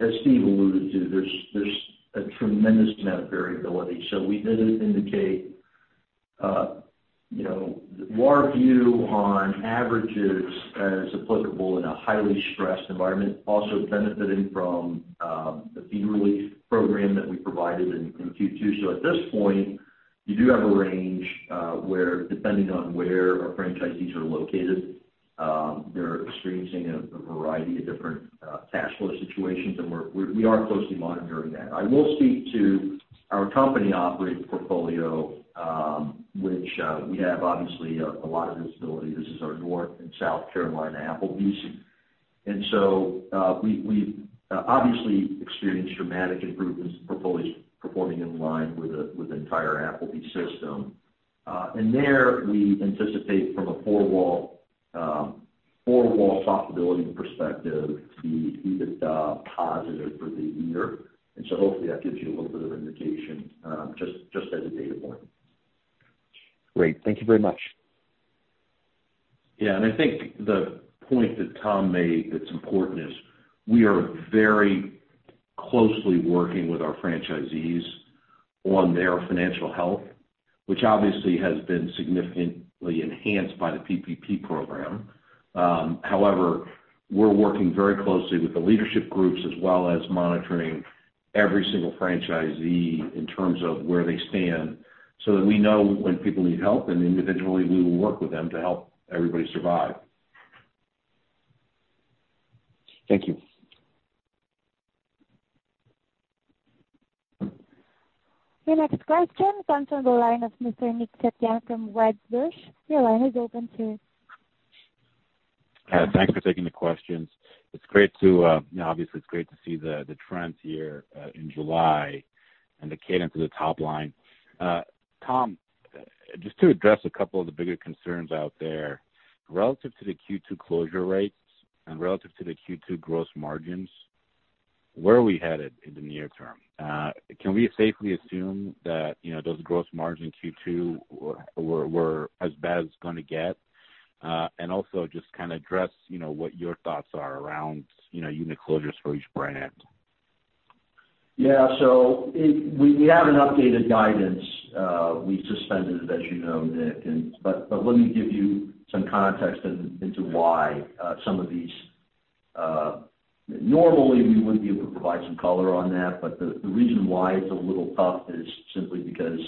as Steve alluded to, there's a tremendous amount of variability. We did indicate our view on averages as applicable in a highly stressed environment, also benefiting from the fee relief program that we provided in Q2. At this point, you do have a range, where depending on where our franchisees are located, they're experiencing a variety of different cash flow situations, and we are closely monitoring that. I will speak to our company-operated portfolio, which we have obviously a lot of visibility. This is our North and South Carolina Applebee's. We've obviously experienced dramatic improvements, performing in line with the entire Applebee's system. There, we anticipate from a four-wall profitability perspective to be EBITDA positive for the year. Hopefully, that gives you a little bit of indication just as a data point. Great. Thank you very much. Yeah. I think the point that Tom made that's important is we are very closely working with our franchisees on their financial health, which obviously has been significantly enhanced by the PPP program. However, we're working very closely with the leadership groups as well as monitoring every single franchisee in terms of where they stand so that we know when people need help, and individually, we will work with them to help everybody survive. Thank you. Your next question comes from the line of Mr. Nick Setyan from Wedbush. Your line is open, sir. Thanks for taking the questions. Obviously, it's great to see the trends here in July and the cadence of the top line. Tom, just to address a couple of the bigger concerns out there, relative to the Q2 closure rates and relative to the Q2 gross margins, where are we headed in the near term? Can we safely assume that those gross margins in Q2 were as bad as it's going to get? Also just address what your thoughts are around unit closures for each brand. We haven't updated guidance. We've suspended it, as you know, Nick. Let me give you some context into why. Normally, we would be able to provide some color on that, but the reason why it's a little tough is simply because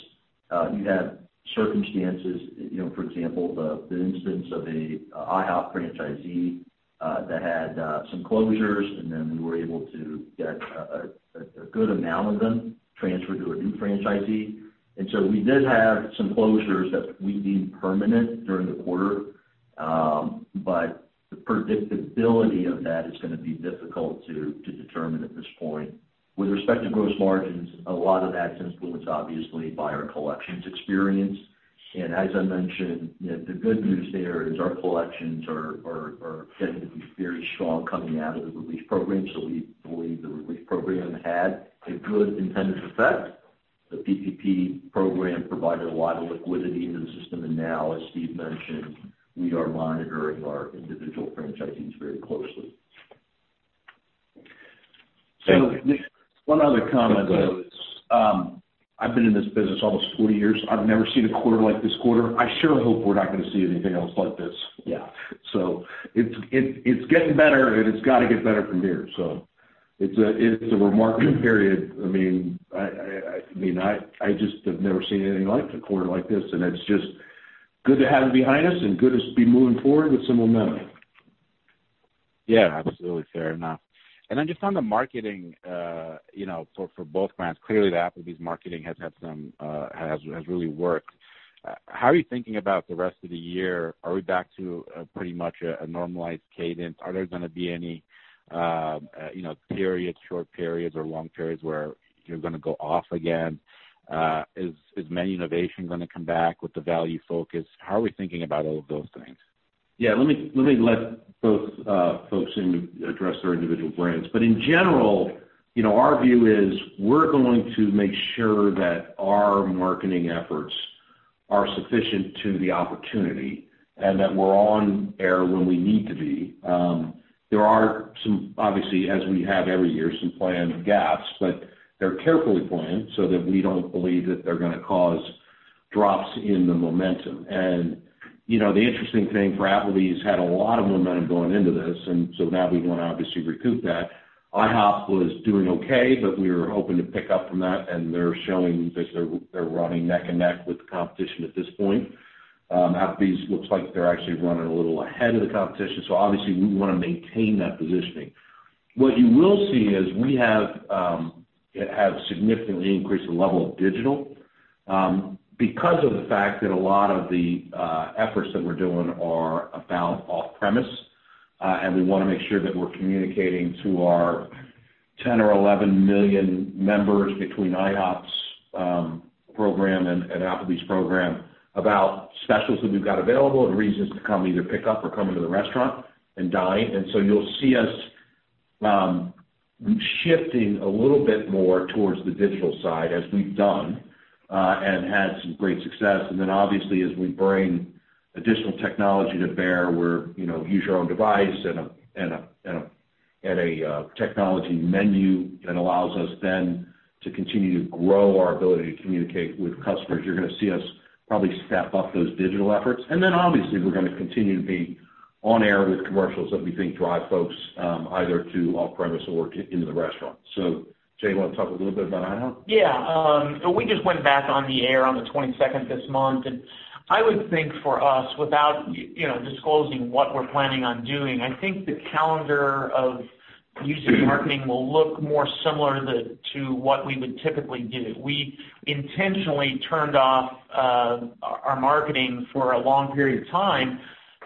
you have circumstances, for example, the instance of an IHOP franchisee that had some closures, we were able to get a good amount of them transferred to a new franchisee. We did have some closures that we deemed permanent during the quarter. The predictability of that is going to be difficult to determine at this point. With respect to gross margins, a lot of that's influenced obviously by our collections experience. As I mentioned, the good news there is our collections are getting to be very strong coming out of the relief program. We believe the relief program had a good intended effect. The PPP program provided a lot of liquidity into the system, and now, as Steve mentioned, we are monitoring our individual franchisees very closely. Thank you. One other comment though is, I've been in this business almost 40 years. I've never seen a quarter like this quarter. I sure hope we're not going to see anything else like this. Yeah. It's getting better, and it's got to get better from here. It's a remarkable period. I just have never seen anything like a quarter like this, and it's just good to have it behind us and good to be moving forward with some momentum. Yeah, absolutely fair enough. Just on the marketing for both brands. Clearly, the Applebee's marketing has really worked. How are you thinking about the rest of the year? Are we back to pretty much a normalized cadence? Are there going to be any short periods or long periods where you're going to go off again? Is menu innovation going to come back with the value focus? How are we thinking about all of those things? Yeah, let me let both folks address their individual brands. In general, our view is we're going to make sure that our marketing efforts are sufficient to the opportunity and that we're on air when we need to be. There are some, obviously, as we have every year, some planned gaps, but they're carefully planned so that we don't believe that they're going to cause drops in the momentum. The interesting thing for Applebee's had a lot of momentum going into this, and so now we want to obviously recoup that. IHOP was doing okay, but we were hoping to pick up from that, and they're showing that they're running neck and neck with the competition at this point. Applebee's looks like they're actually running a little ahead of the competition, so obviously we want to maintain that positioning. What you will see is we have significantly increased the level of digital because of the fact that a lot of the efforts that we're doing are about off-premise, and we want to make sure that we're communicating to our 10 million or 11 million members between IHOP's program and Applebee's program about specials that we've got available and reasons to come either pick up or come into the restaurant and dine. You'll see us shifting a little bit more towards the digital side, as we've done, and had some great success. Obviously as we bring additional technology to bear, use your own device and a technology menu that allows us then to continue to grow our ability to communicate with customers. You're going to see us probably step up those digital efforts. Obviously we're going to continue to be on air with commercials that we think drive folks either to off-premise or into the restaurant. Jay, you want to talk a little bit about IHOP? Yeah. We just went back on the air on the 22nd this month, and I would think for us, without disclosing what we're planning on doing, I think the calendar of use of marketing will look more similar to what we would typically do. We intentionally turned off our marketing for a long period of time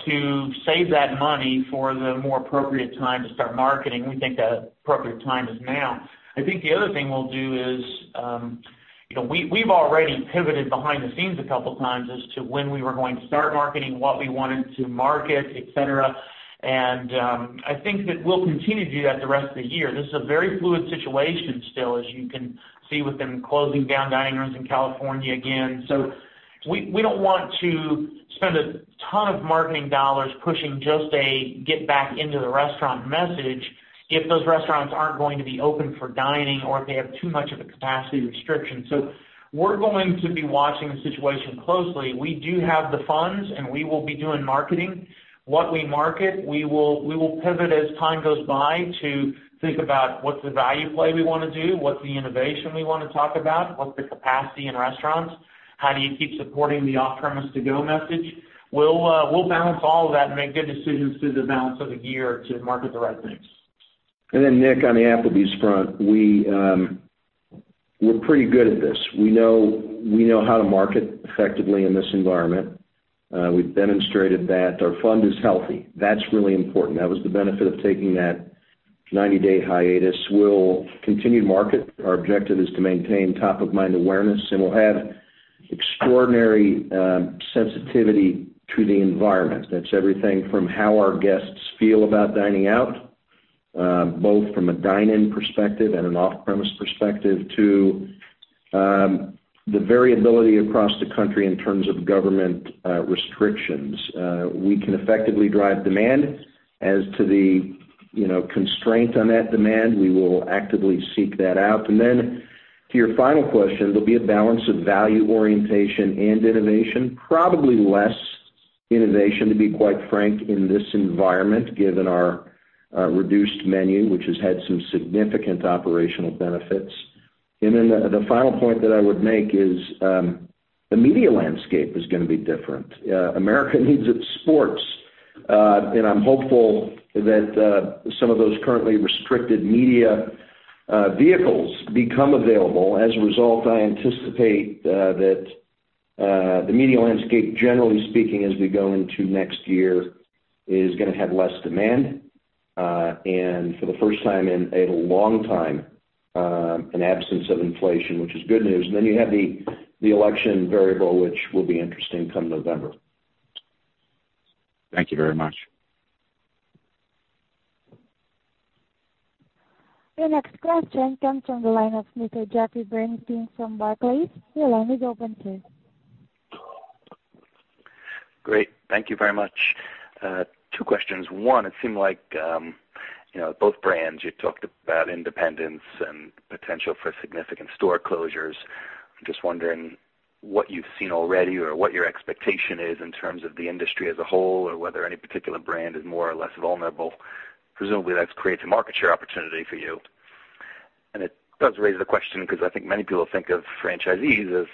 to save that money for the more appropriate time to start marketing. We think the appropriate time is now. I think the other thing we'll do is, we've already pivoted behind the scenes a couple of times as to when we were going to start marketing, what we wanted to market, et cetera. I think that we'll continue to do that the rest of the year. This is a very fluid situation still, as you can see, with them closing down dining rooms in California again. We don't want to spend a ton of marketing dollars pushing just a get back into the restaurant message if those restaurants aren't going to be open for dining or if they have too much of a capacity restriction. We're going to be watching the situation closely. We do have the funds, and we will be doing marketing. What we market, we will pivot as time goes by to think about what's the value play we want to do, what's the innovation we want to talk about, what's the capacity in restaurants, how do you keep supporting the off-premise to-go message. We'll balance all of that and make good decisions through the balance of the year to market the right things. Nick, on the Applebee's front, we're pretty good at this. We know how to market effectively in this environment. We've demonstrated that our fund is healthy. That's really important. That was the benefit of taking that 90-day hiatus. We'll continue to market. Our objective is to maintain top-of-mind awareness, and we'll have extraordinary sensitivity to the environment. That's everything from how our guests feel about dining out both from a dine-in perspective and an off-premise perspective to the variability across the country in terms of government restrictions. We can effectively drive demand. As to the constraint on that demand, we will actively seek that out. To your final question, there'll be a balance of value orientation and innovation. Probably less innovation, to be quite frank, in this environment, given our reduced menu, which has had some significant operational benefits. The final point that I would make is the media landscape is going to be different. America needs its sports. I'm hopeful that some of those currently restricted media vehicles become available. As a result, I anticipate that the media landscape, generally speaking, as we go into next year, is going to have less demand. For the first time in a long time, an absence of inflation, which is good news. You have the election variable, which will be interesting come November. Thank you very much. Your next question comes from the line of Mr. Jeffrey Bernstein from Barclays. Your line is open, sir. Great. Thank you very much. Two questions. One, it seemed like both brands, you talked about independents and potential for significant store closures. I'm just wondering what you've seen already or what your expectation is in terms of the industry as a whole, or whether any particular brand is more or less vulnerable. Presumably, that creates a market share opportunity for you. It does raise the question because I think many people think of franchisees as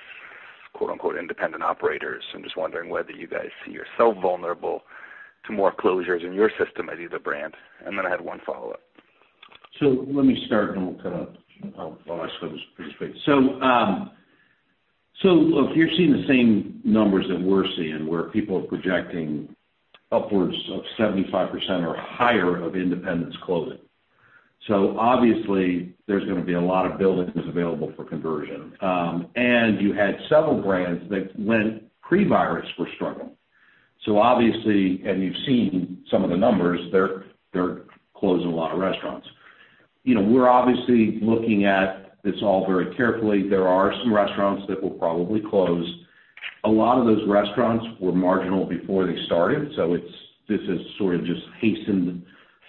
"independent operators," so I'm just wondering whether you guys see yourself vulnerable to more closures in your system at either brand. Then I had one follow-up. Let me start, and then we'll cut out. Actually, this is pretty straight. If you're seeing the same numbers that we're seeing, where people are projecting upwards of 75% or higher of independents closing. Obviously there's going to be a lot of buildings available for conversion. You had several brands that when pre-virus were struggling. Obviously, and you've seen some of the numbers, they're closing a lot of restaurants. We're obviously looking at this all very carefully. There are some restaurants that will probably close. A lot of those restaurants were marginal before they started. This has sort of just hastened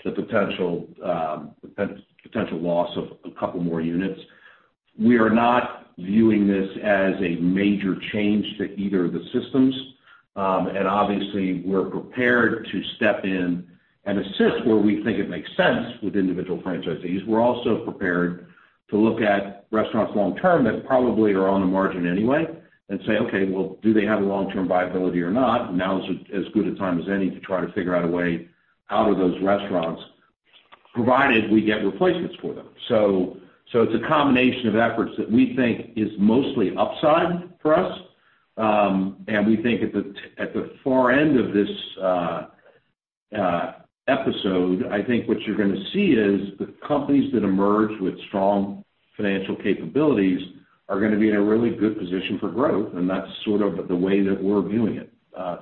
the potential loss of a couple more units. We are not viewing this as a major change to either of the systems. Obviously we're prepared to step in and assist where we think it makes sense with individual franchisees. We're also prepared to look at restaurants long term that probably are on the margin anyway and say, "Okay, well, do they have a long-term viability or not?" Now is as good a time as any to try to figure out a way out of those restaurants, provided we get replacements for them. It's a combination of efforts that we think is mostly upside for us. We think at the far end of this episode, I think what you're going to see is the companies that emerge with strong financial capabilities are going to be in a really good position for growth, and that's sort of the way that we're viewing it.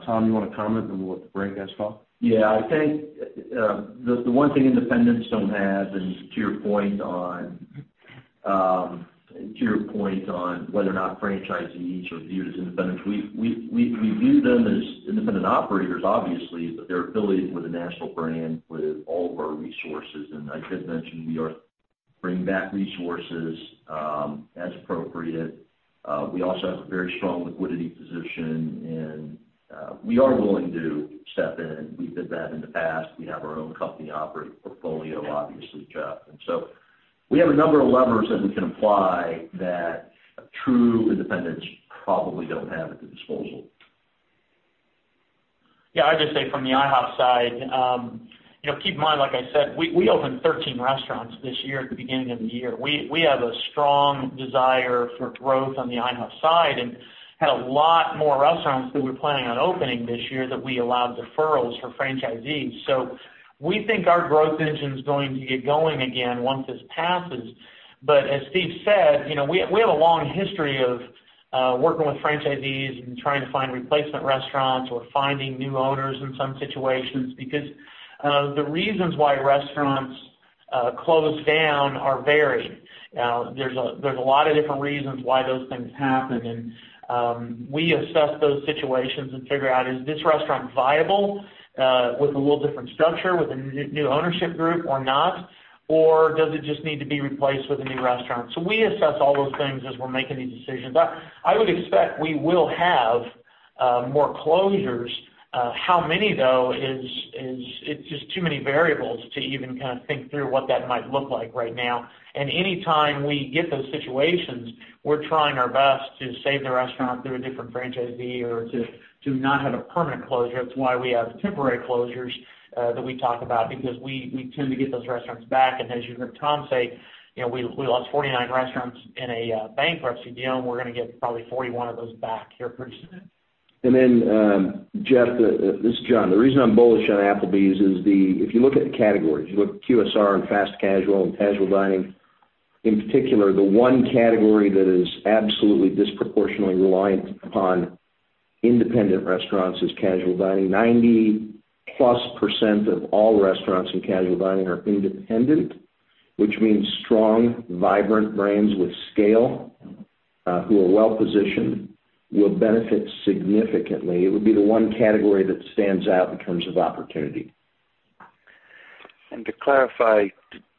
Tom, you want to comment and we'll let the brand guys talk? Yeah, I think the one thing independents don't have, and to your point on whether or not franchisees are viewed as independents, we view them as independent operators, obviously, Jeff. I did mention we are bringing back resources as appropriate. We also have a very strong liquidity position, and we are willing to step in. We've done that in the past. We have our own company operating portfolio, obviously, Jeff. We have a number of levers that we can apply that true independents probably don't have at their disposal. Yeah, I'd just say from the IHOP side, keep in mind, like I said, we opened 13 restaurants this year at the beginning of the year. We have a strong desire for growth on the IHOP side and had a lot more restaurants that we're planning on opening this year that we allowed deferrals for franchisees. We think our growth engine is going to get going again once this passes. As Steve said, we have a long history of working with franchisees and trying to find replacement restaurants or finding new owners in some situations because the reasons why restaurants close down are varied. There's a lot of different reasons why those things happen. We assess those situations and figure out, is this restaurant viable with a little different structure, with a new ownership group or not? Does it just need to be replaced with a new restaurant? We assess all those things as we're making these decisions. I would expect we will have more closures. How many, though, it's just too many variables to even kind of think through what that might look like right now. Any time we get those situations, we're trying our best to save the restaurant through a different franchisee or to not have a permanent closure. That's why we have temporary closures that we talk about because we tend to get those restaurants back. As you heard Tom say, we lost 49 restaurants in a bankruptcy deal, and we're going to get probably 41 of those back here pretty soon. Jeff, this is John. The reason I'm bullish on Applebee's is if you look at the categories, you look at QSR and fast casual and casual dining, in particular, the one category that is absolutely disproportionately reliant upon independent restaurants is casual dining. 90%+ of all restaurants in casual dining are independent, which means strong, vibrant brands with scale who are well-positioned will benefit significantly. It would be the one category that stands out in terms of opportunity. To clarify,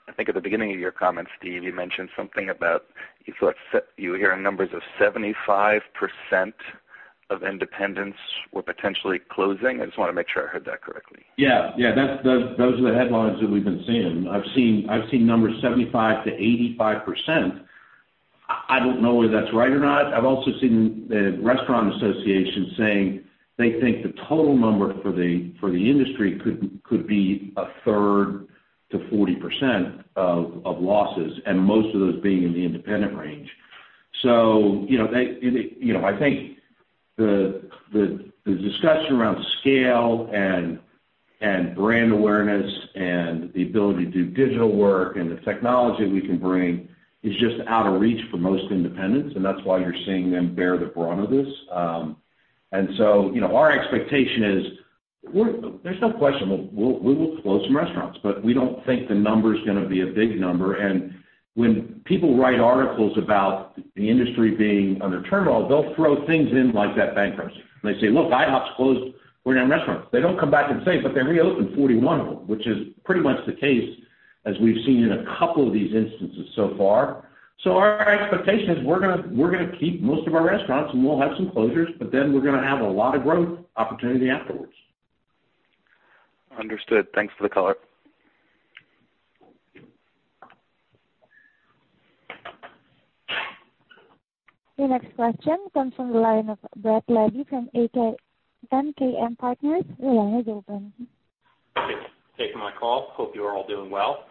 I think at the beginning of your comments, Steve, you mentioned something about you were hearing numbers of 75% of independents were potentially closing. I just want to make sure I heard that correctly. Yeah. Those are the headlines that we've been seeing. I've seen numbers 75%-85%. I don't know whether that's right or not. I've also seen the National Restaurant Association saying they think the total number for the industry could be 1/3 to 40% of losses. Most of those being in the independent range. I think the discussion around scale and brand awareness and the ability to do digital work and the technology we can bring is just out of reach for most independents, and that's why you're seeing them bear the brunt of this. Our expectation is there's no question we will close some restaurants, but we don't think the number is going to be a big number. When people write articles about the industry being under turmoil, they'll throw things in like that bankruptcy, and they say, "Look, IHOP's closed 49 restaurants." They don't come back and say, but they reopened 41 of them, which is pretty much the case as we've seen in a couple of these instances so far. Our expectation is we're going to keep most of our restaurants, and we'll have some closures, but then we're going to have a lot of growth opportunity afterwards. Understood. Thanks for the color. Your next question comes from the line of Brett Levy from MKM Partners. Your line is open. Thanks for taking my call. Hope you are all doing well.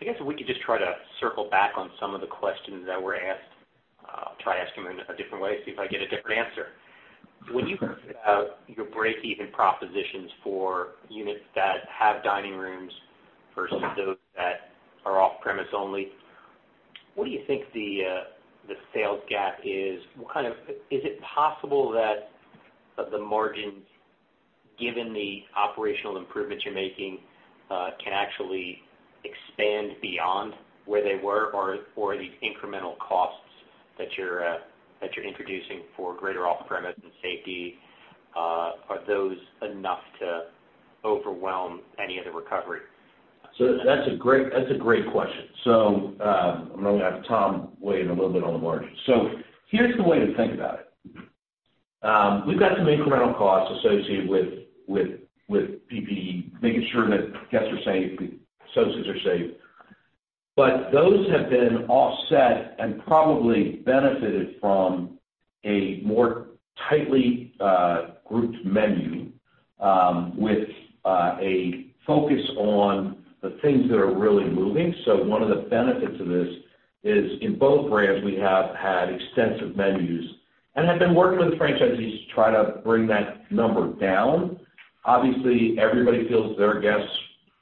I guess if we could just try to circle back on some of the questions that were asked. I'll try to ask them in a different way, see if I get a different answer. When you think about your break-even propositions for units that have dining rooms versus those that are off-premise only, what do you think the sales gap is? Is it possible that the margins, given the operational improvements you're making can actually expand beyond where they were? Are these incremental costs that you're introducing for greater off-premise and safety, are those enough to overwhelm any of the recovery? That's a great question. I'm going to have Tom weigh in a little bit on the margins. Here's the way to think about it. We've got some incremental costs associated with PPE, making sure that guests are safe, the associates are safe, but those have been offset and probably benefited from a more tightly grouped menu, with a focus on the things that are really moving. One of the benefits of this is in both brands, we have had extensive menus and have been working with franchisees to try to bring that number down. Obviously, everybody feels their guests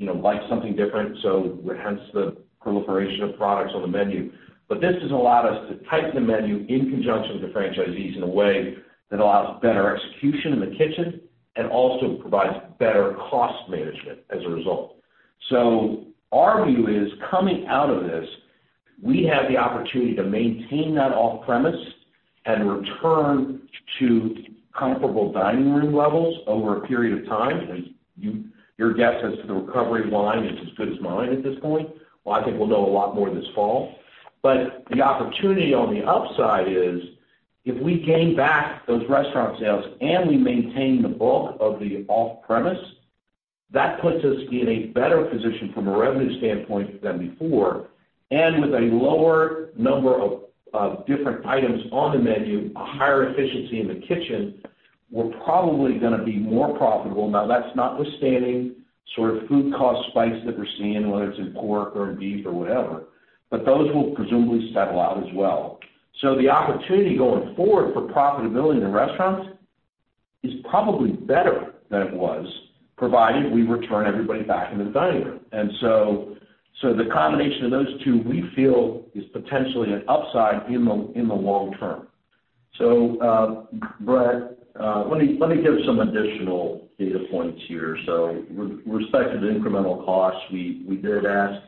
like something different, so hence the proliferation of products on the menu. This has allowed us to tighten the menu in conjunction with the franchisees in a way that allows better execution in the kitchen and also provides better cost management as a result. Our view is, coming out of this, we have the opportunity to maintain that off-premise and return to comparable dining room levels over a period of time. Your guess as to the recovery line is as good as mine at this point. Well, I think we'll know a lot more this fall. The opportunity on the upside is if we gain back those restaurant sales and we maintain the bulk of the off-premise, that puts us in a better position from a revenue standpoint than before. With a lower number of different items on the menu, a higher efficiency in the kitchen, we're probably going to be more profitable. Now, that's notwithstanding food cost spikes that we're seeing, whether it's in pork or in beef or whatever, but those will presumably settle out as well. The opportunity going forward for profitability in the restaurants is probably better than it was, provided we return everybody back into the dining room. The combination of those two, we feel, is potentially an upside in the long term. Brett, let me give some additional data points here. With respect to the incremental costs, we did ask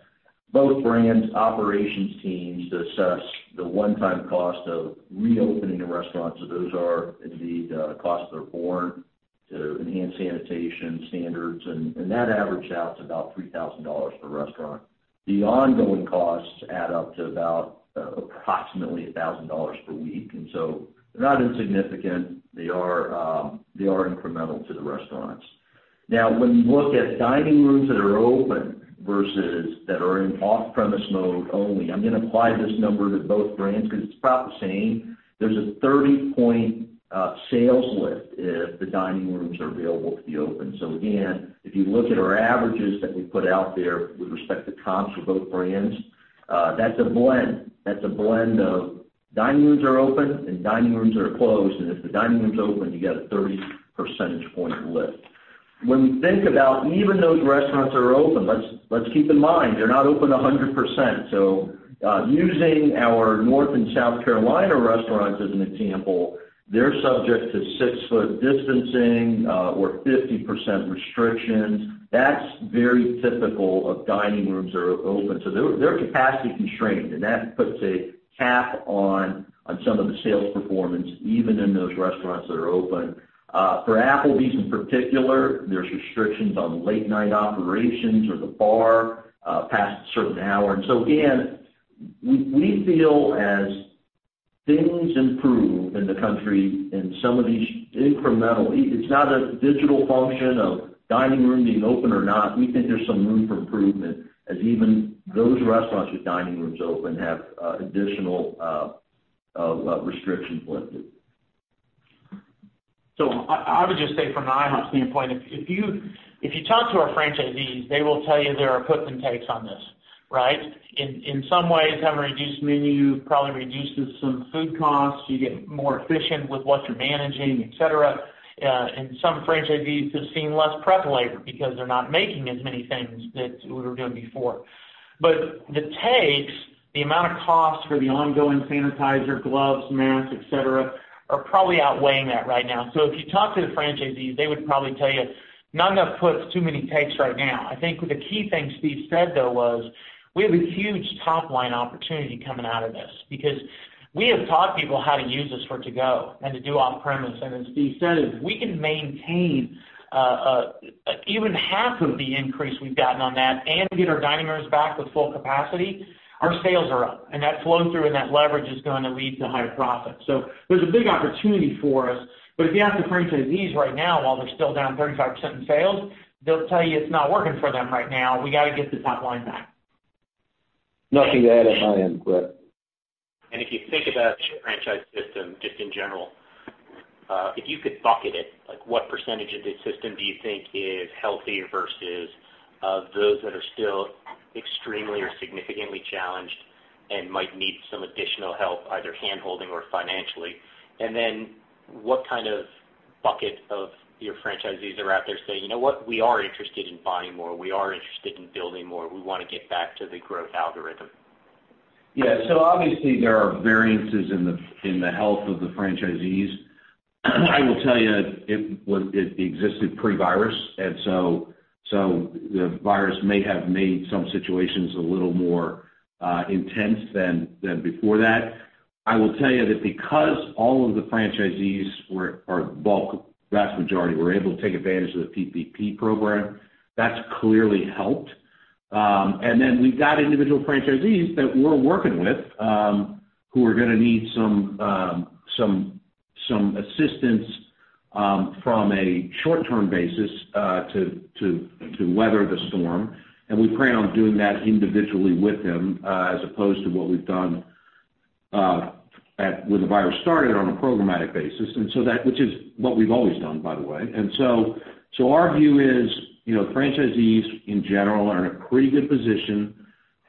both brands' operations teams to assess the one-time cost of reopening a restaurant. Those are indeed costs that are borne to enhance sanitation standards, and that averaged out to about $3,000 per restaurant. The ongoing costs add up to about approximately $1,000 per week. They're not insignificant. They are incremental to the restaurants. When you look at dining rooms that are open versus that are in off-premise mode only, I'm going to apply this number to both brands because it's about the same. There's a 30-point sales lift if the dining rooms are available to be open. Again, if you look at our averages that we put out there with respect to comps for both brands, that's a blend of dining rooms are open and dining rooms are closed. If the dining rooms open, you got a 30 percentage point lift. When we think about even those restaurants that are open, let's keep in mind they're not open 100%. Using our North and South Carolina restaurants as an example, they're subject to six-foot distancing or 50% restrictions. That's very typical of dining rooms that are open, so they're capacity constrained, and that puts a cap on some of the sales performance, even in those restaurants that are open. For Applebee's in particular, there's restrictions on late-night operations or the bar past a certain hour. Again, we feel as things improve in the country. It's not a digital function of dining room being open or not. We think there's some room for improvement as even those restaurants with dining rooms open have additional restrictions lifted. I would just say from an IHOP standpoint, if you talk to our franchisees, they will tell you there are puts and takes on this, right? In some ways, having a reduced menu probably reduces some food costs. You get more efficient with what you're managing, et cetera. Some franchisees have seen less prep labor because they're not making as many things that we were doing before. The takes, the amount of cost for the ongoing sanitizer, gloves, masks, et cetera, are probably outweighing that right now. If you talk to the franchisees, they would probably tell you not enough puts, too many takes right now. I think the key thing Steve said, though, was we have a huge top-line opportunity coming out of this because we have taught people how to use us for to-go and to do off-premise. As Steve said, if we can maintain even half of the increase we've gotten on that and get our dining rooms back to full capacity, our sales are up. That flow-through and that leverage is going to lead to higher profits. There's a big opportunity for us. If you ask the franchisees right now, while they're still down 35% in sales, they'll tell you it's not working for them right now. We got to get the top line back. Nothing to add on my end, Brett. If you think about your franchise system, just in general, if you could bucket it, what percentage of the system do you think is healthy versus those that are still extremely or significantly challenged and might need some additional help, either hand-holding or financially? What kind of bucket of your franchisees are out there saying, "You know what? We are interested in buying more. We are interested in building more. We want to get back to the growth algorithm. Yeah. Obviously, there are variances in the health of the franchisees. I will tell you, it existed pre-virus. The virus may have made some situations a little more intense than before that. I will tell you that because all of the franchisees, or the vast majority, were able to take advantage of the PPP program, that's clearly helped. We've got individual franchisees that we're working with, who are going to need some assistance from a short-term basis to weather the storm. We plan on doing that individually with them, as opposed to what we've done when the virus started on a programmatic basis, which is what we've always done, by the way. Our view is franchisees, in general, are in a pretty good position,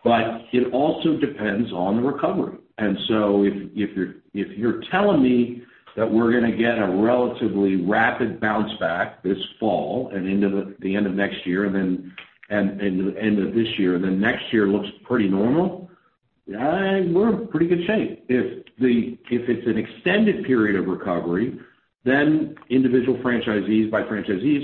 but it also depends on the recovery. If you're telling me that we're going to get a relatively rapid bounce back this fall and into the end of this year, then next year looks pretty normal, we're in pretty good shape. If it's an extended period of recovery, then individual franchisees, by franchisees,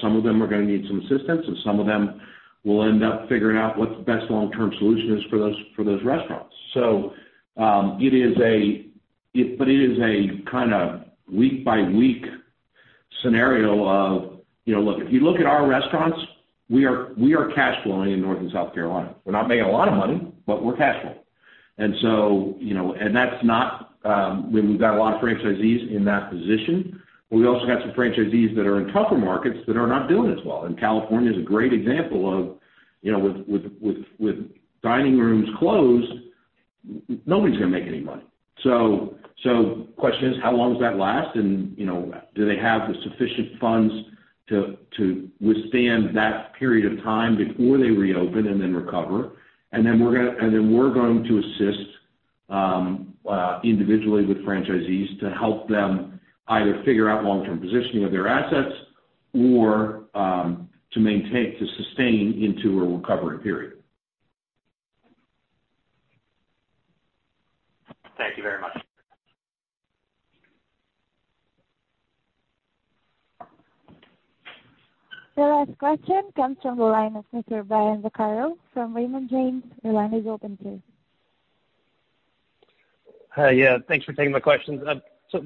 some of them are going to need some assistance, and some of them will end up figuring out what's the best long-term solution is for those restaurants. It is a kind of week-by-week scenario of If you look at our restaurants, we are cash flowing in North and South Carolina. We're not making a lot of money, but we're cash flowing. We've got a lot of franchisees in that position, but we also got some franchisees that are in tougher markets that are not doing as well. California is a great example of, with dining rooms closed, nobody's going to make any money. The question is, how long does that last? Do they have the sufficient funds to withstand that period of time before they reopen and then recover? Then we're going to assist individually with franchisees to help them either figure out long-term positioning of their assets or to sustain into a recovery period. Thank you very much. The last question comes from the line of Mr. Brian Vaccaro from Raymond James. Your line is open, sir. Hi. Yeah, thanks for taking my questions.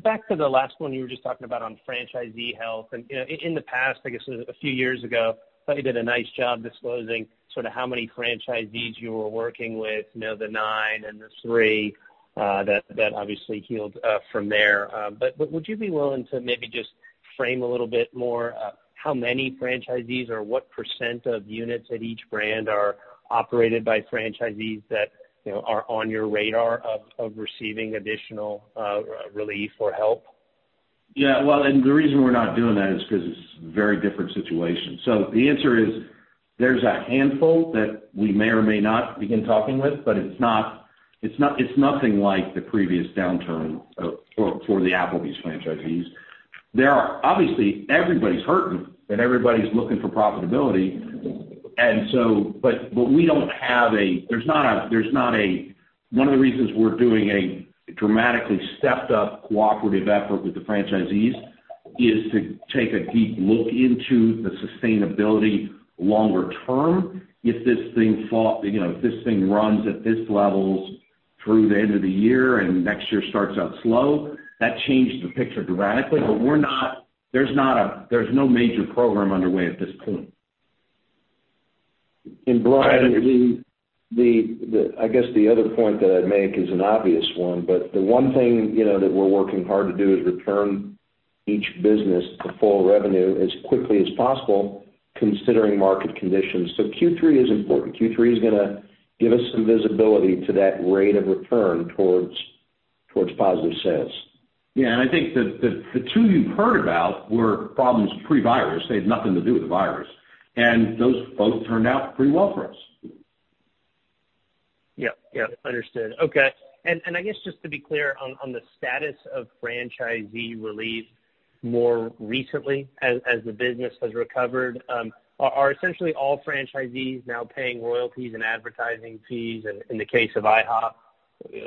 Back to the last one you were just talking about on franchisee health. In the past, I guess it was a few years ago, I thought you did a nice job disclosing sort of how many franchisees you were working with, the nine and the three, that obviously healed from there. Would you be willing to maybe just frame a little bit more, how many franchisees or what percent of units at each brand are operated by franchisees that are on your radar of receiving additional relief or help? The reason we're not doing that is because it's a very different situation. The answer is, there's a handful that we may or may not begin talking with, but it's nothing like the previous downturn for the Applebee's franchisees. Obviously, everybody's hurting, and everybody's looking for profitability. One of the reasons we're doing a dramatically stepped-up cooperative effort with the franchisees is to take a deep look into the sustainability longer term. If this thing runs at these levels through the end of the year and next year starts out slow, that changes the picture dramatically. There's no major program underway at this point. Brian, I guess the other point that I'd make is an obvious one, but the one thing that we're working hard to do is return each business to full revenue as quickly as possible, considering market conditions. Q3 is important. Q3 is going to give us some visibility to that rate of return towards positive sales. Yeah. I think the two you've heard about were problems pre-virus. They had nothing to do with the virus. Those both turned out pretty well for us. Yep. Understood. Okay. I guess just to be clear on the status of franchisee relief more recently as the business has recovered. Are essentially all franchisees now paying royalties and advertising fees, and in the case of IHOP,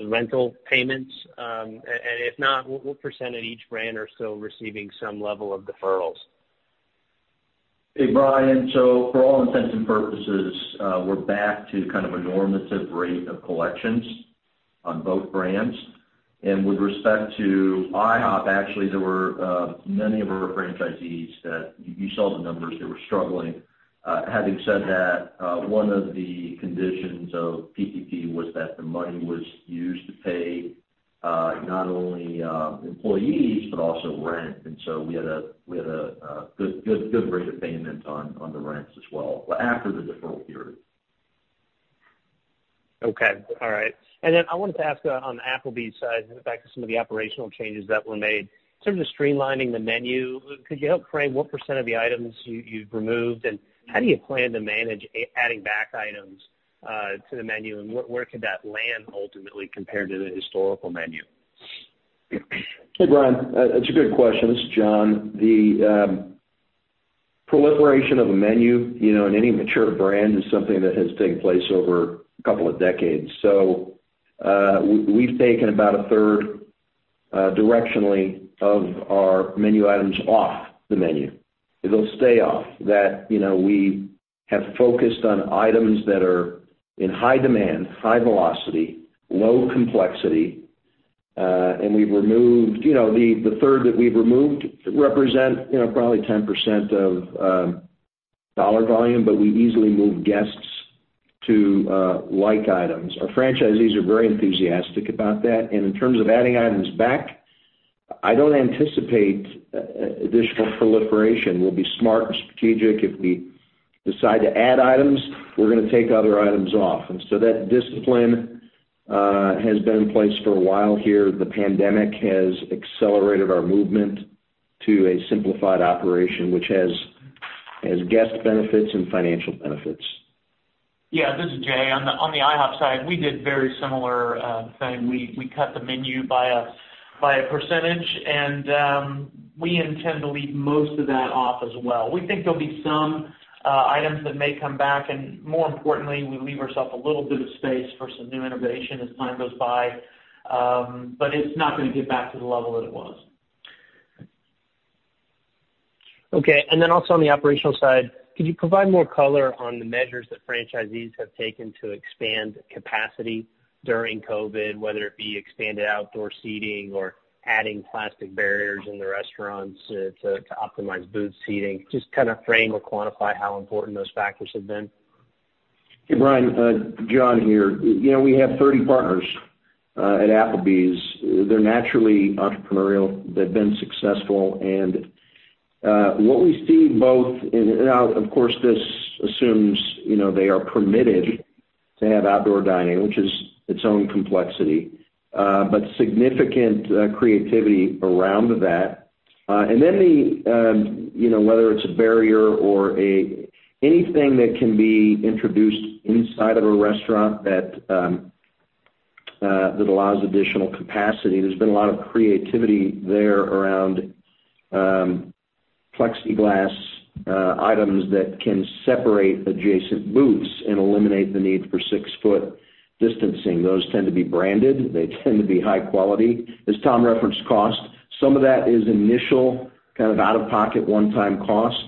rental payments? If not, what percent of each brand are still receiving some level of deferrals? Hey, Brian. For all intents and purposes, we're back to kind of a normative rate of collections on both brands. With respect to IHOP, actually, there were many of our franchisees that, you saw the numbers, they were struggling. Having said that, one of the conditions of PPP was that the money was used to pay not only employees, but also rent. We had a good rate of payment on the rents as well after the deferral period. Okay. All right. I wanted to ask on the Applebee's side, going back to some of the operational changes that were made, in terms of streamlining the menu, could you help frame what percent of the items you've removed? How do you plan to manage adding back items to the menu? Where could that land ultimately compared to the historical menu? Hey, Brian. It's a good question. It's John. The proliferation of a menu in any mature brand is something that has taken place over a couple of decades. We've taken about a third Directionally of our menu items off the menu. They'll stay off. That we have focused on items that are in high demand, high velocity, low complexity, and the 3rd that we've removed represent probably 10% of dollar volume, but we easily move guests to like items. Our franchisees are very enthusiastic about that. In terms of adding items back, I don't anticipate additional proliferation. We'll be smart and strategic. If we decide to add items, we're going to take other items off. That discipline has been in place for a while here. The pandemic has accelerated our movement to a simplified operation, which has guest benefits and financial benefits. Yeah, this is Jay. On the IHOP side, we did very similar thing. We cut the menu by a percentage. We intend to leave most of that off as well. We think there'll be some items that may come back. More importantly, we leave ourselves a little bit of space for some new innovation as time goes by. It's not going to get back to the level that it was. Okay, also on the operational side, could you provide more color on the measures that franchisees have taken to expand capacity during COVID, whether it be expanded outdoor seating or adding plastic barriers in the restaurants to optimize booth seating? Just kind of frame or quantify how important those factors have been. Hey, Brian. John here. We have 30 partners at Applebee's. They're naturally entrepreneurial. They've been successful and what we see both, and now, of course, this assumes they are permitted to have outdoor dining, which is its own complexity, but significant creativity around that. Whether it's a barrier or anything that can be introduced inside of a restaurant that allows additional capacity. There's been a lot of creativity there around plexiglass items that can separate adjacent booths and eliminate the need for six-foot distancing. Those tend to be branded. They tend to be high quality. As Tom referenced cost, some of that is initial, kind of out-of-pocket, one-time cost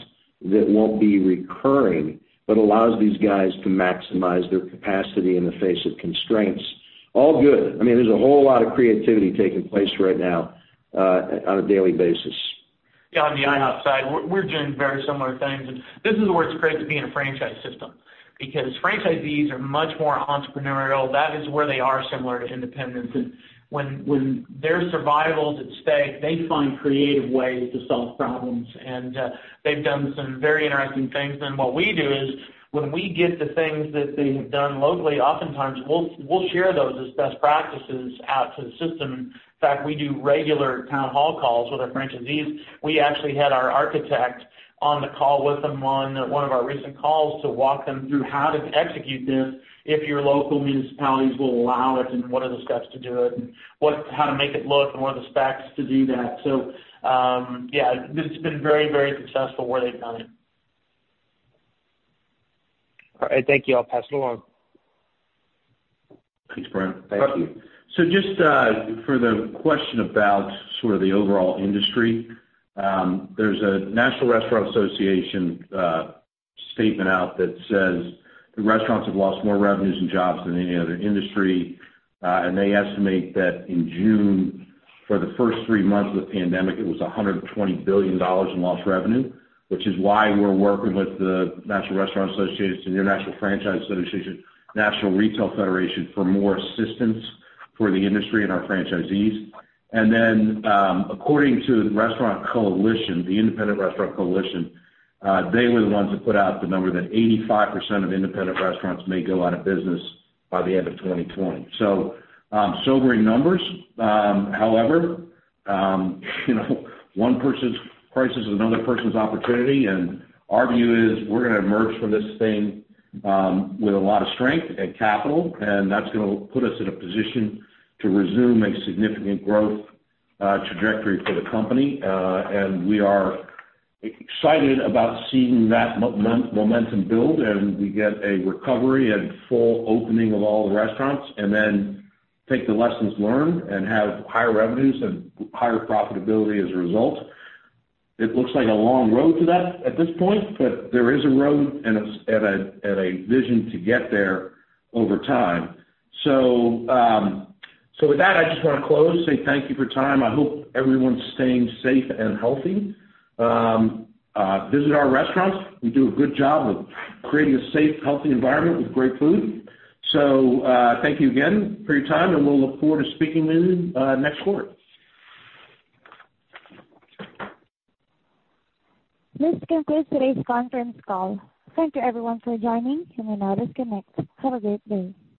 that won't be recurring, but allows these guys to maximize their capacity in the face of constraints. All good. There's a whole lot of creativity taking place right now on a daily basis. Yeah, on the IHOP side, we're doing very similar things. This is where it's great to be in a franchise system because franchisees are much more entrepreneurial. That is where they are similar to independents. When their survival is at stake, they find creative ways to solve problems, and they've done some very interesting things. What we do is when we get the things that they have done locally, oftentimes we'll share those as best practices out to the system. In fact, we do regular town hall calls with our franchisees. We actually had our architect on the call with them on one of our recent calls to walk them through how to execute this if your local municipalities will allow it, and what are the steps to do it, and how to make it look, and what are the specs to do that. Yeah, it's been very successful where they've done it. All right, thank you. I'll pass it along. Thanks, Brian. Thank you. Just for the question about sort of the overall industry, there's a National Restaurant Association statement out that says the restaurants have lost more revenues and jobs than any other industry. They estimate that in June, for the first three months of the pandemic, it was $120 billion in lost revenue, which is why we're working with the National Restaurant Association, International Franchise Association, National Retail Federation for more assistance for the industry and our franchisees. According to the Independent Restaurant Coalition, they were the ones who put out the number that 85% of independent restaurants may go out of business by the end of 2020. Sobering numbers. However, one person's crisis is another person's opportunity. Our view is we're going to emerge from this thing with a lot of strength and capital, and that's going to put us in a position to resume a significant growth trajectory for the company. We are excited about seeing that momentum build, and we get a recovery and full opening of all the restaurants, and then take the lessons learned and have higher revenues and higher profitability as a result. It looks like a long road to that at this point, but there is a road and a vision to get there over time. With that, I just want to close, say thank you for your time. I hope everyone's staying safe and healthy. Visit our restaurants. We do a good job of creating a safe, healthy environment with great food. Thank you again for your time, and we'll look forward to speaking with you next quarter. This concludes today's conference call. Thank you everyone for joining. You may now disconnect. Have a great day.